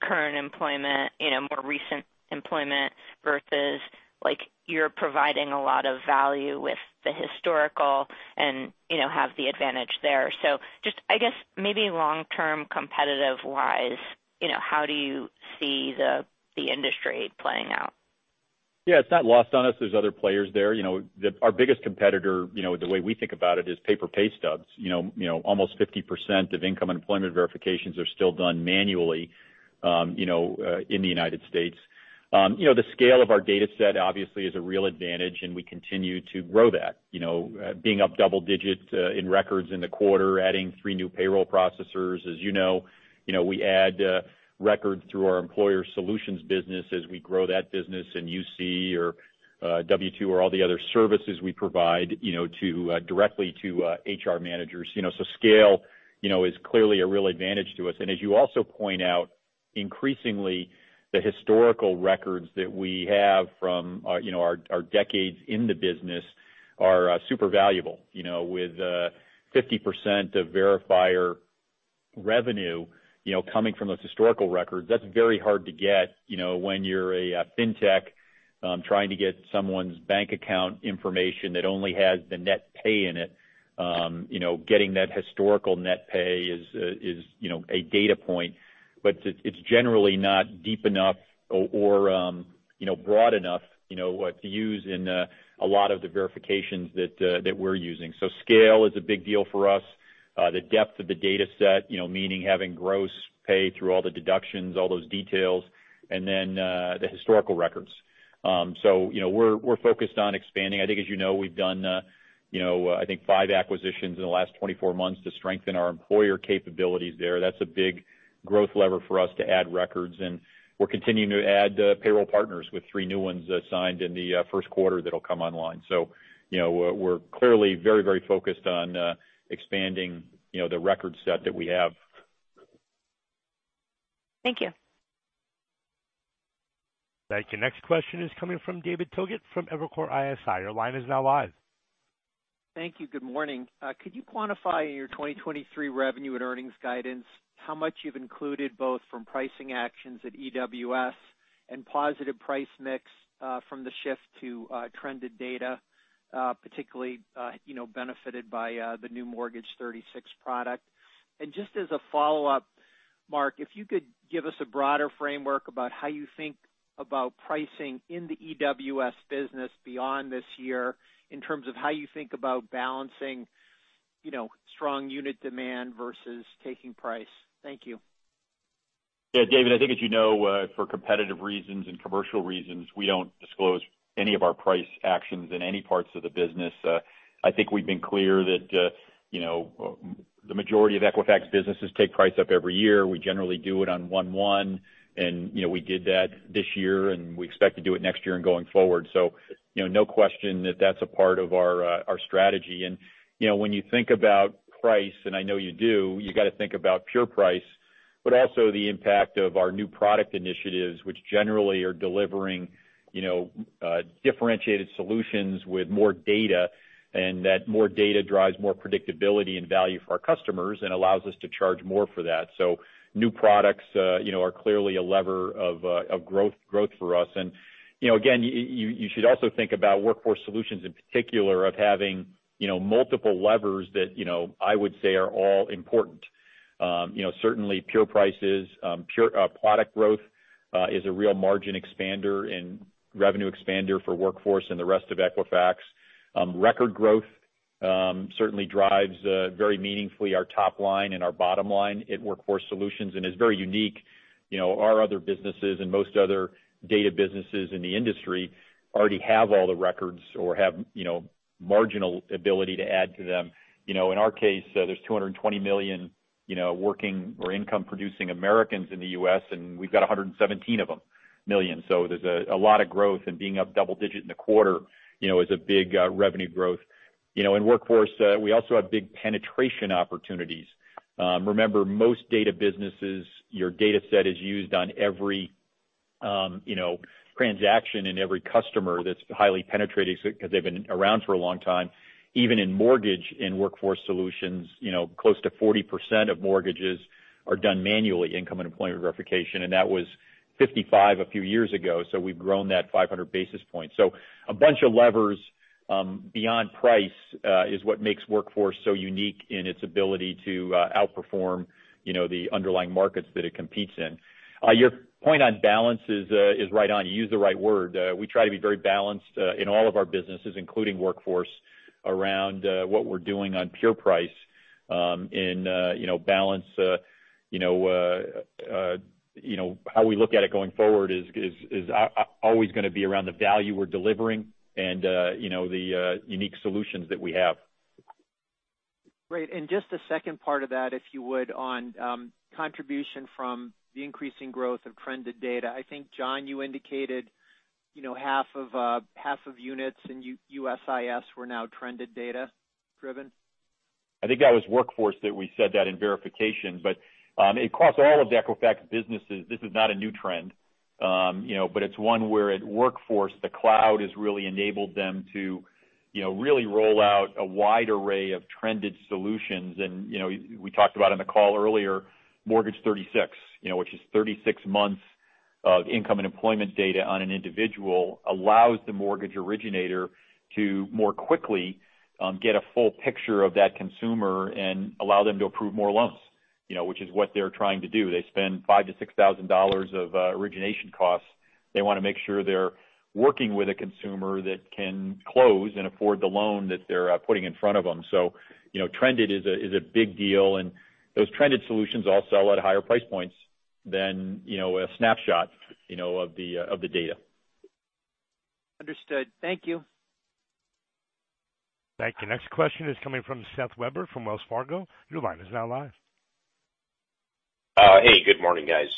current employment, you know, more recent employment versus, like, you're providing a lot of value with the historical and, you know, have the advantage there? Just, I guess, maybe long-term, competitive-wise, you know, how do you see the industry playing out? Yeah. It's not lost on us there's other players there. You know, our biggest competitor, you know, the way we think about it, is paper pay stubs. You know, you know, almost 50% of income and employment verifications are still done manually, you know, in the United States. You know, the scale of our data set obviously is a real advantage, and we continue to grow that. You know, being up double digits in records in the quarter, adding three new payroll processors, as you know. You know, we add records through our employer solutions business as we grow that business in UC or W-2 or all the other services we provide, you know, directly to HR managers. You know, scale, you know, is clearly a real advantage to us. As you also point out, increasingly, the historical records that we have from, you know, our decades in the business are super valuable. You know, with 50% of Verifier revenue, you know, coming from those historical records, that's very hard to get, you know, when you're a Fintech, trying to get someone's bank account information that only has the net pay in it. You know, getting that historical net pay is, you know, a data point, but it's generally not deep enough or, you know, broad enough, you know, to use in a lot of the verifications that that we're using. Scale is a big deal for us. The depth of the dataset, you know, meaning having gross pay through all the deductions, all those details, and then the historical records. You know, we're focused on expanding. I think, as you know, we've done, you know, I think five acquisitions in the last 24 months to strengthen our employer capabilities there. That's a big growth lever for us to add records, and we're continuing to add payroll partners with three new ones signed in the first quarter that'll come online. You know, we're clearly very, very focused on expanding, you know, the record set that we have. Thank you. Thank you. Next question is coming from David Togut from Evercore ISI. Your line is now live. Thank you. Good morning. Could you quantify your 2023 revenue and earnings guidance, how much you've included both from pricing actions at EWS and positive price mix from the shift to trended data, particularly, you know, benefited by the new Mortgage 36 product? Just as a follow-up, Mark, if you could give us a broader framework about how you think about pricing in the EWS business beyond this year in terms of how you think about balancing, you know, strong unit demand versus taking price. Thank you. David, I think as you know, for competitive reasons and commercial reasons, we don't disclose any of our price actions in any parts of the business. I think we've been clear that, you know, the majority of Equifax businesses take price up every year. We generally do it on 1/1, and, you know, we did that this year, and we expect to do it next year and going forward. You know, no question that that's a part of our strategy. You know, when you think about price, and I know you do, you gotta think about pure price, but also the impact of our new product initiatives, which generally are delivering, you know, differentiated solutions with more data, and that more data drives more predictability and value for our customers and allows us to charge more for that. New products, you know, are clearly a lever of growth for us. You know, again, you should also think about Workforce Solutions in particular of having, you know, multiple levers that, you know, I would say are all important. You know, certainly pure prices, pure product growth is a real margin expander and revenue expander for Workforce and the rest of Equifax. Record growth certainly drives very meaningfully our top line and our bottom line at Workforce Solutions and is very unique. You know, our other businesses and most other data businesses in the industry already have all the records or have, you know, marginal ability to add to them. You know, in our case, there's 220 million, you know, working or income producing Americans in the U.S., and we've got 117 million of them. There's a lot of growth and being up double digit in the quarter, you know, is a big revenue growth. You know, in Workforce, we also have big penetration opportunities. Remember, most data businesses, your dataset is used on every, you know, transaction and every customer that's highly penetrated 'cause they've been around for a long time. Even in mortgage in Workforce Solutions, you know, close to 40% of mortgages are done manually, income and employment verification, and that was 55% a few years ago. We've grown that 500 basis points. A bunch of levers, beyond price, is what makes Workforce so unique in its ability to outperform, you know, the underlying markets that it competes in. Your point on balance is right on. You use the right word. We try to be very balanced in all of our businesses, including Workforce around what we're doing on pure price, and, you know, balance, you know, how we look at it going forward is always gonna be around the value we're delivering and, you know, the unique solutions that we have. Great. Just a second part of that, if you would, on, contribution from the increasing growth of trended data. I think, John, you indicated, you know, half of units in USIS were now trended data driven. I think that was Workforce that we said that in Verification. Across all of the Equifax businesses, this is not a new trend, you know, but it's one where at Workforce, the cloud has really enabled them to, you know, really roll out a wide array of trended solutions. You know, we talked about on the call earlier, Mortgage 36, you know, which is 36 months of income and employment data on an individual, allows the mortgage originator to more quickly get a full picture of that consumer and allow them to approve more loans, you know, which is what they're trying to do. They spend $5,000-$6,000 of origination costs. They wanna make sure they're working with a consumer that can close and afford the loan that they're putting in front of them. you know, trended is a, is a big deal, and those trended solutions all sell at higher price points than, you know, a snapshot, you know, of the data. Understood. Thank you. Thank you. Next question is coming from Seth Weber from Wells Fargo. Your line is now live. Hey, good morning, guys.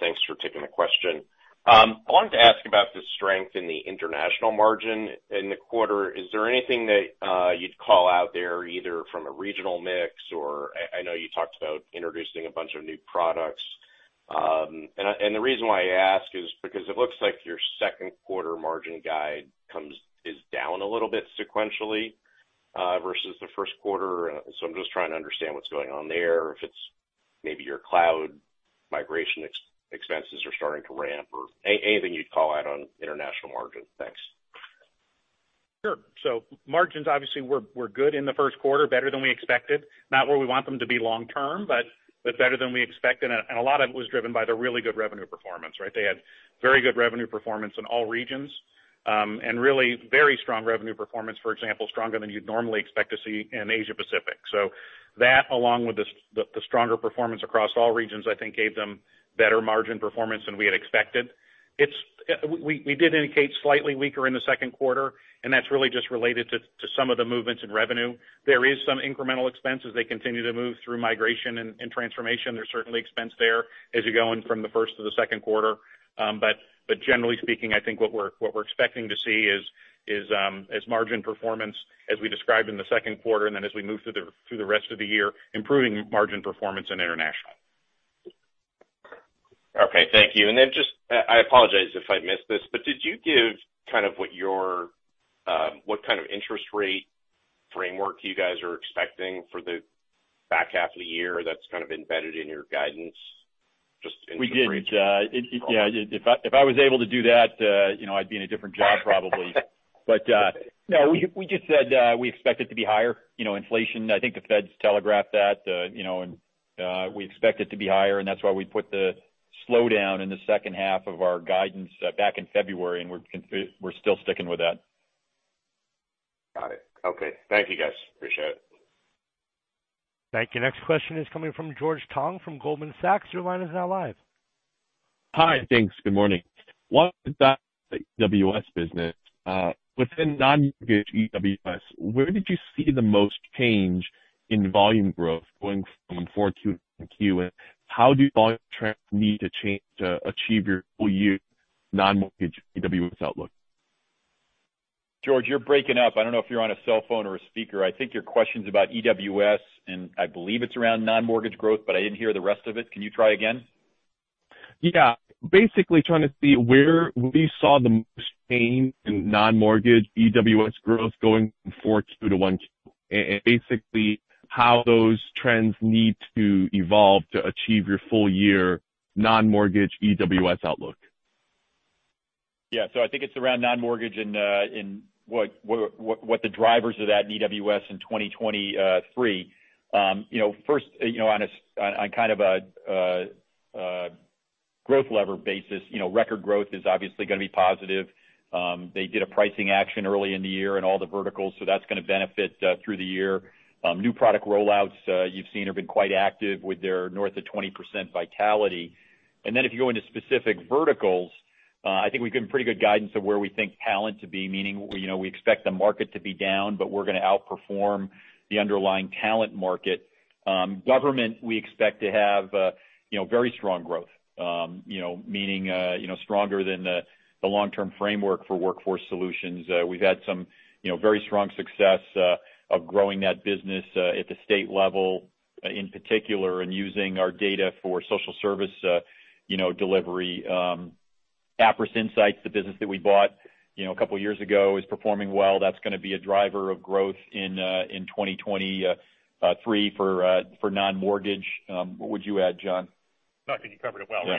Thanks for taking the question. I wanted to ask about the strength in the International margin in the quarter. Is there anything that you'd call out there, either from a regional mix or I know you talked about introducing a bunch of new products? The reason why I ask is because it looks like your second quarter margin guide is down a little bit sequentially versus the first quarter. I'm just trying to understand what's going on there, if it's maybe your cloud migration expenses are starting to ramp or anything you'd call out on International margins. Thanks. Margins obviously were good in the first quarter, better than we expected. Not where we want them to be long term, but better than we expected. A lot of it was driven by the really good revenue performance, right? They had very good revenue performance in all regions, and really very strong revenue performance, for example, stronger than you'd normally expect to see in Asia-Pacific. That along with the stronger performance across all regions, I think gave them better margin performance than we had expected. It's, we did indicate slightly weaker in the second quarter, and that's really just related to some of the movements in revenue. There is some incremental expense as they continue to move through migration and transformation. There's certainly expense there as you go in from the first to the second quarter. Generally speaking, I think what we're expecting to see is margin performance as we described in the second quarter and then as we move through the rest of the year, improving margin performance in International. Okay. Thank you. Just, I apologize if I missed this, did you give what kind of interest rate framework you guys are expecting for the back half of the year that's kind of embedded in your guidance? We didn't. Yeah, if I was able to do that, you know, I'd be in a different job probably. No, we just said, we expect it to be higher. You know, inflation, I think the Fed's telegraphed that, you know, and we expect it to be higher, and that's why we put the slowdown in the second half of our guidance, back in February, and we're still sticking with that. Got it. Okay. Thank you, guys. Appreciate it. Thank you. Next question is coming from George Tong from Goldman Sachs. Your line is now live. Hi. Thanks. Good morning. What is that EWS business, within non-mortgage EWS, where did you see the most change in volume growth going from 4Q to 1Q? How do volume trends need to change to achieve your full year non-mortgage EWS outlook? George, you're breaking up. I don't know if you're on a cell phone or a speaker. I think your question's about EWS, and I believe it's around non-mortgage growth, but I didn't hear the rest of it. Can you try again? Yeah. Basically trying to see where we saw the most change in non-mortgage EWS growth going from 4Q to 1Q. Basically how those trends need to evolve to achieve your full year non-mortgage EWS outlook. Yeah. I think it's around non-mortgage and what the drivers of that EWS in 2023. You know, first, you know, on kind of a growth lever basis, you know, record growth is obviously gonna be positive. They did a pricing action early in the year in all the verticals, so that's gonna benefit through the year. New product rollouts, you've seen have been quite active with their north of 20% Vitality. If you go into specific verticals, I think we've given pretty good guidance of where we think talent to be. Meaning, you know, we expect the market to be down, but we're gonna outperform the underlying talent market. Government, we expect to have, you know, very strong growth. You know, meaning, you know, stronger than the long-term framework for Workforce Solutions. We've had some, you know, very strong success, of growing that business, at the state level, in particular, and using our data for social service, you know, delivery. Appriss Insights, the business that we bought, you know, a couple years ago, is performing well. That's gonna be a driver of growth in 2023 for non-mortgage. What would you add, John? I think you covered it well. Yeah.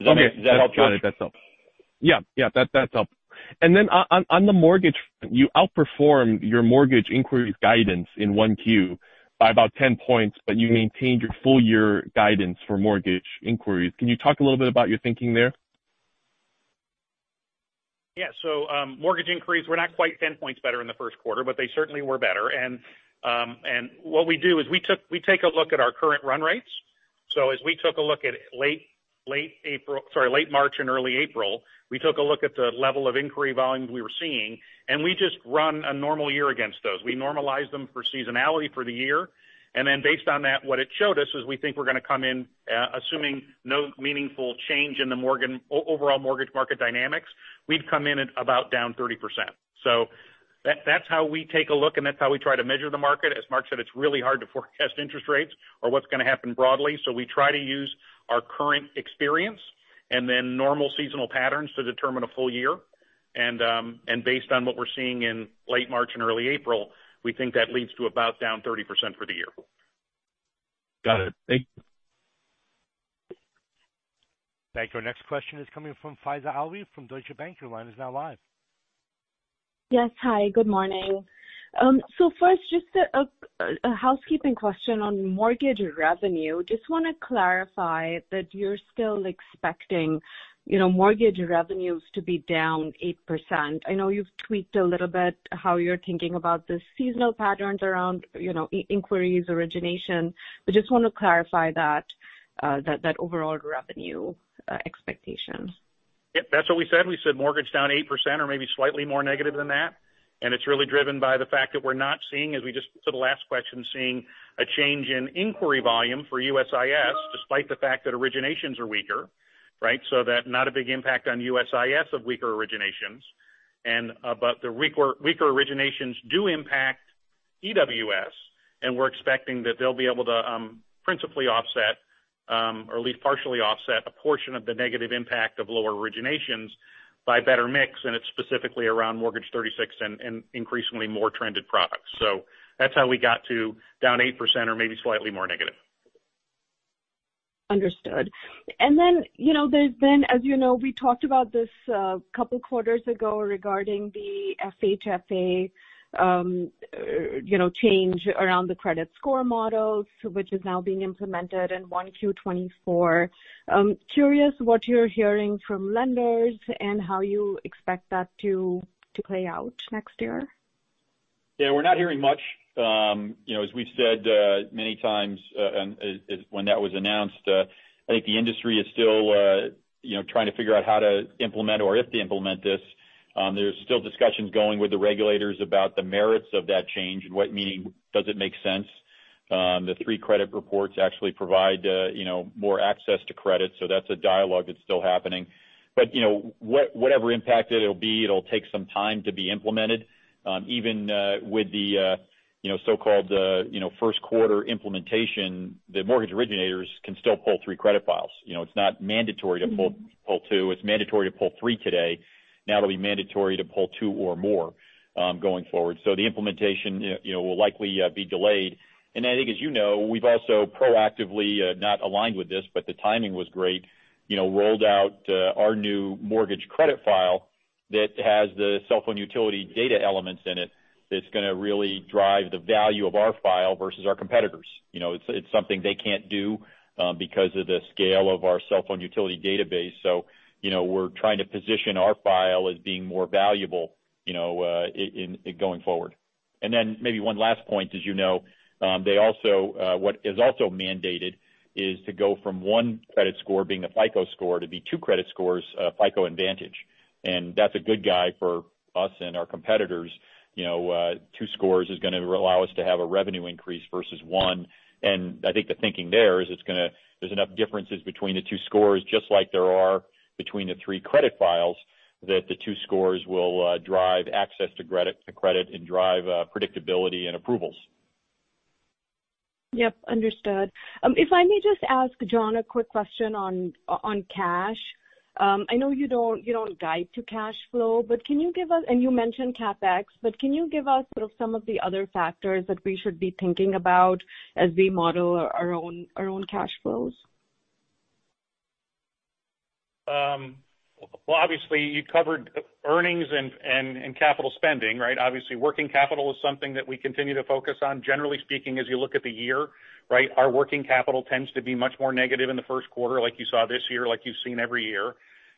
Does that help, George? Got it. That's helps. Yeah, that's helpful. Then on the mortgage, you outperformed your mortgage inquiries guidance in 1Q by about 10 points, you maintained your full year guidance for mortgage inquiries. Can you talk a little bit about your thinking there? Mortgage inquiries were not quite 10 points better in the first quarter, but they certainly were better. What we do is we take a look at our current run rates. As we took a look at late March and early April, we took a look at the level of inquiry volume we were seeing, and we just run a normal year against those. We normalize them for seasonality for the year, and then based on that, what it showed us was we think we're gonna come in, assuming no meaningful change in the overall mortgage market dynamics, we'd come in at about down 30%. That's how we take a look, and that's how we try to measure the market. As Mark said, it's really hard to forecast interest rates or what's going to happen broadly. We try to use our current experience and then normal seasonal patterns to determine a full year. Based on what we're seeing in late March and early April, we think that leads to about down 30% for the year. Got it. Thank you. Thank you. Our next question is coming from Faiza Alwy from Deutsche Bank. Your line is now live. Yes. Hi, good morning. First just a housekeeping question on mortgage revenue. Just wanna clarify that you're still expecting, you know, mortgage revenues to be down 8%. I know you've tweaked a little bit how you're thinking about the seasonal patterns around, you know, e-inquiries, origination, but just want to clarify that overall revenue expectation? Yep, that's what we said. We said mortgage down 8% or maybe slightly more negative than that. It's really driven by the fact that we're not seeing as we just to the last question, seeing a change in inquiry volume for USIS despite the fact that originations are weaker, right? That not a big impact on USIS of weaker originations. The weaker originations do impact EWS, and we're expecting that they'll be able to principally offset or at least partially offset a portion of the negative impact of lower originations by better mix, and it's specifically around Mortgage 36 and increasingly more trended products. That's how we got to down 8% or maybe slightly more negative. Understood. Then, you know, there's been, as you know, we talked about this, couple quarters ago regarding the FHFA, you know, change around the credit score models, which is now being implemented in 1Q 2024. Curious what you're hearing from lenders and how you expect that to play out next year? We're not hearing much. You know, as we've said, many times, when that was announced, I think the industry is still, you know, trying to figure out how to implement or if to implement this. There's still discussions going with the regulators about the merits of that change and what meaning does it make sense. The three credit reports actually provide, you know, more access to credit, that's a dialogue that's still happening. You know, whatever impact it'll be, it'll take some time to be implemented. Even with the, you know, so-called, you know, first quarter implementation, the mortgage originators can still pull three credit files. You know, it's not mandatory to pull two. It's mandatory to pull three today. It'll be mandatory to pull two or more going forward. The implementation, you know, will likely be delayed. I think as you know, we've also proactively not aligned with this, but the timing was great, you know, rolled out our new mortgage credit file that has the cell phone utility data elements in it that's gonna really drive the value of our file versus our competitors. You know, it's something they can't do because of the scale of our cell phone utility database. You know, we're trying to position our file as being more valuable, you know, in going forward. Maybe one last point, as you know, what is also mandated is to go from one credit score being a FICO score to be two credit scores, FICO and Vantage. That's a good guy for us and our competitors. You know, two scores is gonna allow us to have a revenue increase versus one. I think the thinking there is there's enough differences between the two scores, just like there are between the three credit files, that the two scores will drive access to credit and drive predictability and approvals. Yep, understood. If I may just ask John a quick question on cash. I know you don't, you don't guide to cash flow, but you mentioned CapEx, but can you give us sort of some of the other factors that we should be thinking about as we model our own cash flows? Well, obviously, you covered e-earnings and capital spending, right? Obviously, working capital is something that we continue to focus on. Generally speaking, as you look at the year, right, our working capital tends to be much more negative in the first quarter, like you saw this year, like you've seen every year,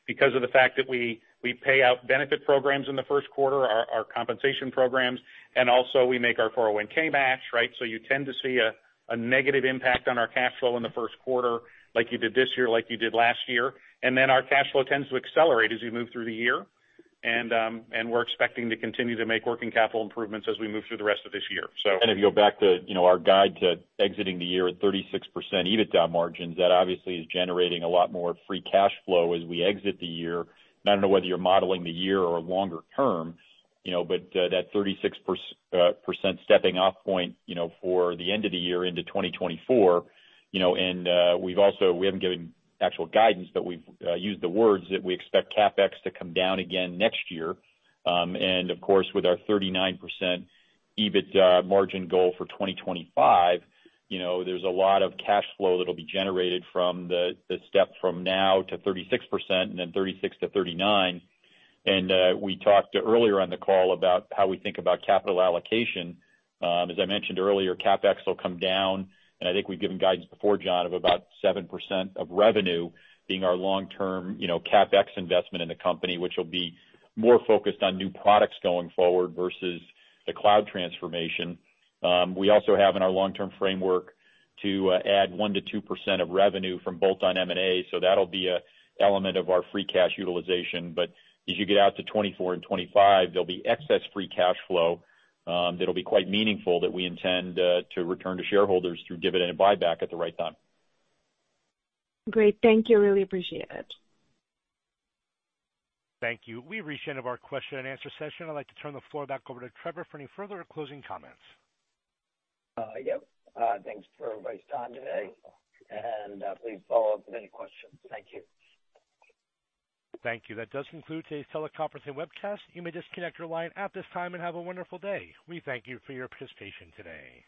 because of the fact that we pay out benefit programs in the first quarter, our compensation programs, and also we make our 401(k) match, right? You tend to see a negative impact on our cash flow in the first quarter, like you did this year, like you did last year. Then our cash flow tends to accelerate as we move through the year. We're expecting to continue to make working capital improvements as we move through the rest of this year, so. If you go back to, you know, our guide to exiting the year at 36% EBITDA margins, that obviously is generating a lot more free cash flow as we exit the year. I don't know whether you're modeling the year or longer term, you know, but that 36% stepping off point, you know, for the end of the year into 2024, you know, we haven't given actual guidance, but we've used the words that we expect CapEx to come down again next year. Of course, with our 39% EBITDA margin goal for 2025, you know, there's a lot of cash flow that'll be generated from the step from now to 36% and then 36%-39%. We talked earlier on the call about how we think about capital allocation. As I mentioned earlier, CapEx will come down, and I think we've given guidance before, John, of about 7% of revenue being our long-term, you know, CapEx investment in the company, which will be more focused on new products going forward versus the cloud transformation. We also have in our long-term framework to add 1%-2% of revenue from bolt-on M&A, so that'll be a element of our free cash utilization. As you get out to 2024 and 2025, there'll be excess free cash flow that'll be quite meaningful that we intend to return to shareholders through dividend buyback at the right time. Great. Thank you. Really appreciate it. Thank you. We've reached the end of our question-and-answer session. I'd like to turn the floor back over to Trevor for any further closing comments. Yep. Thanks for everybody's time today. Please follow up with any questions. Thank you. Thank you. That does conclude today's teleconference and webcast. You may disconnect your line at this time and have a wonderful day. We thank you for your participation today.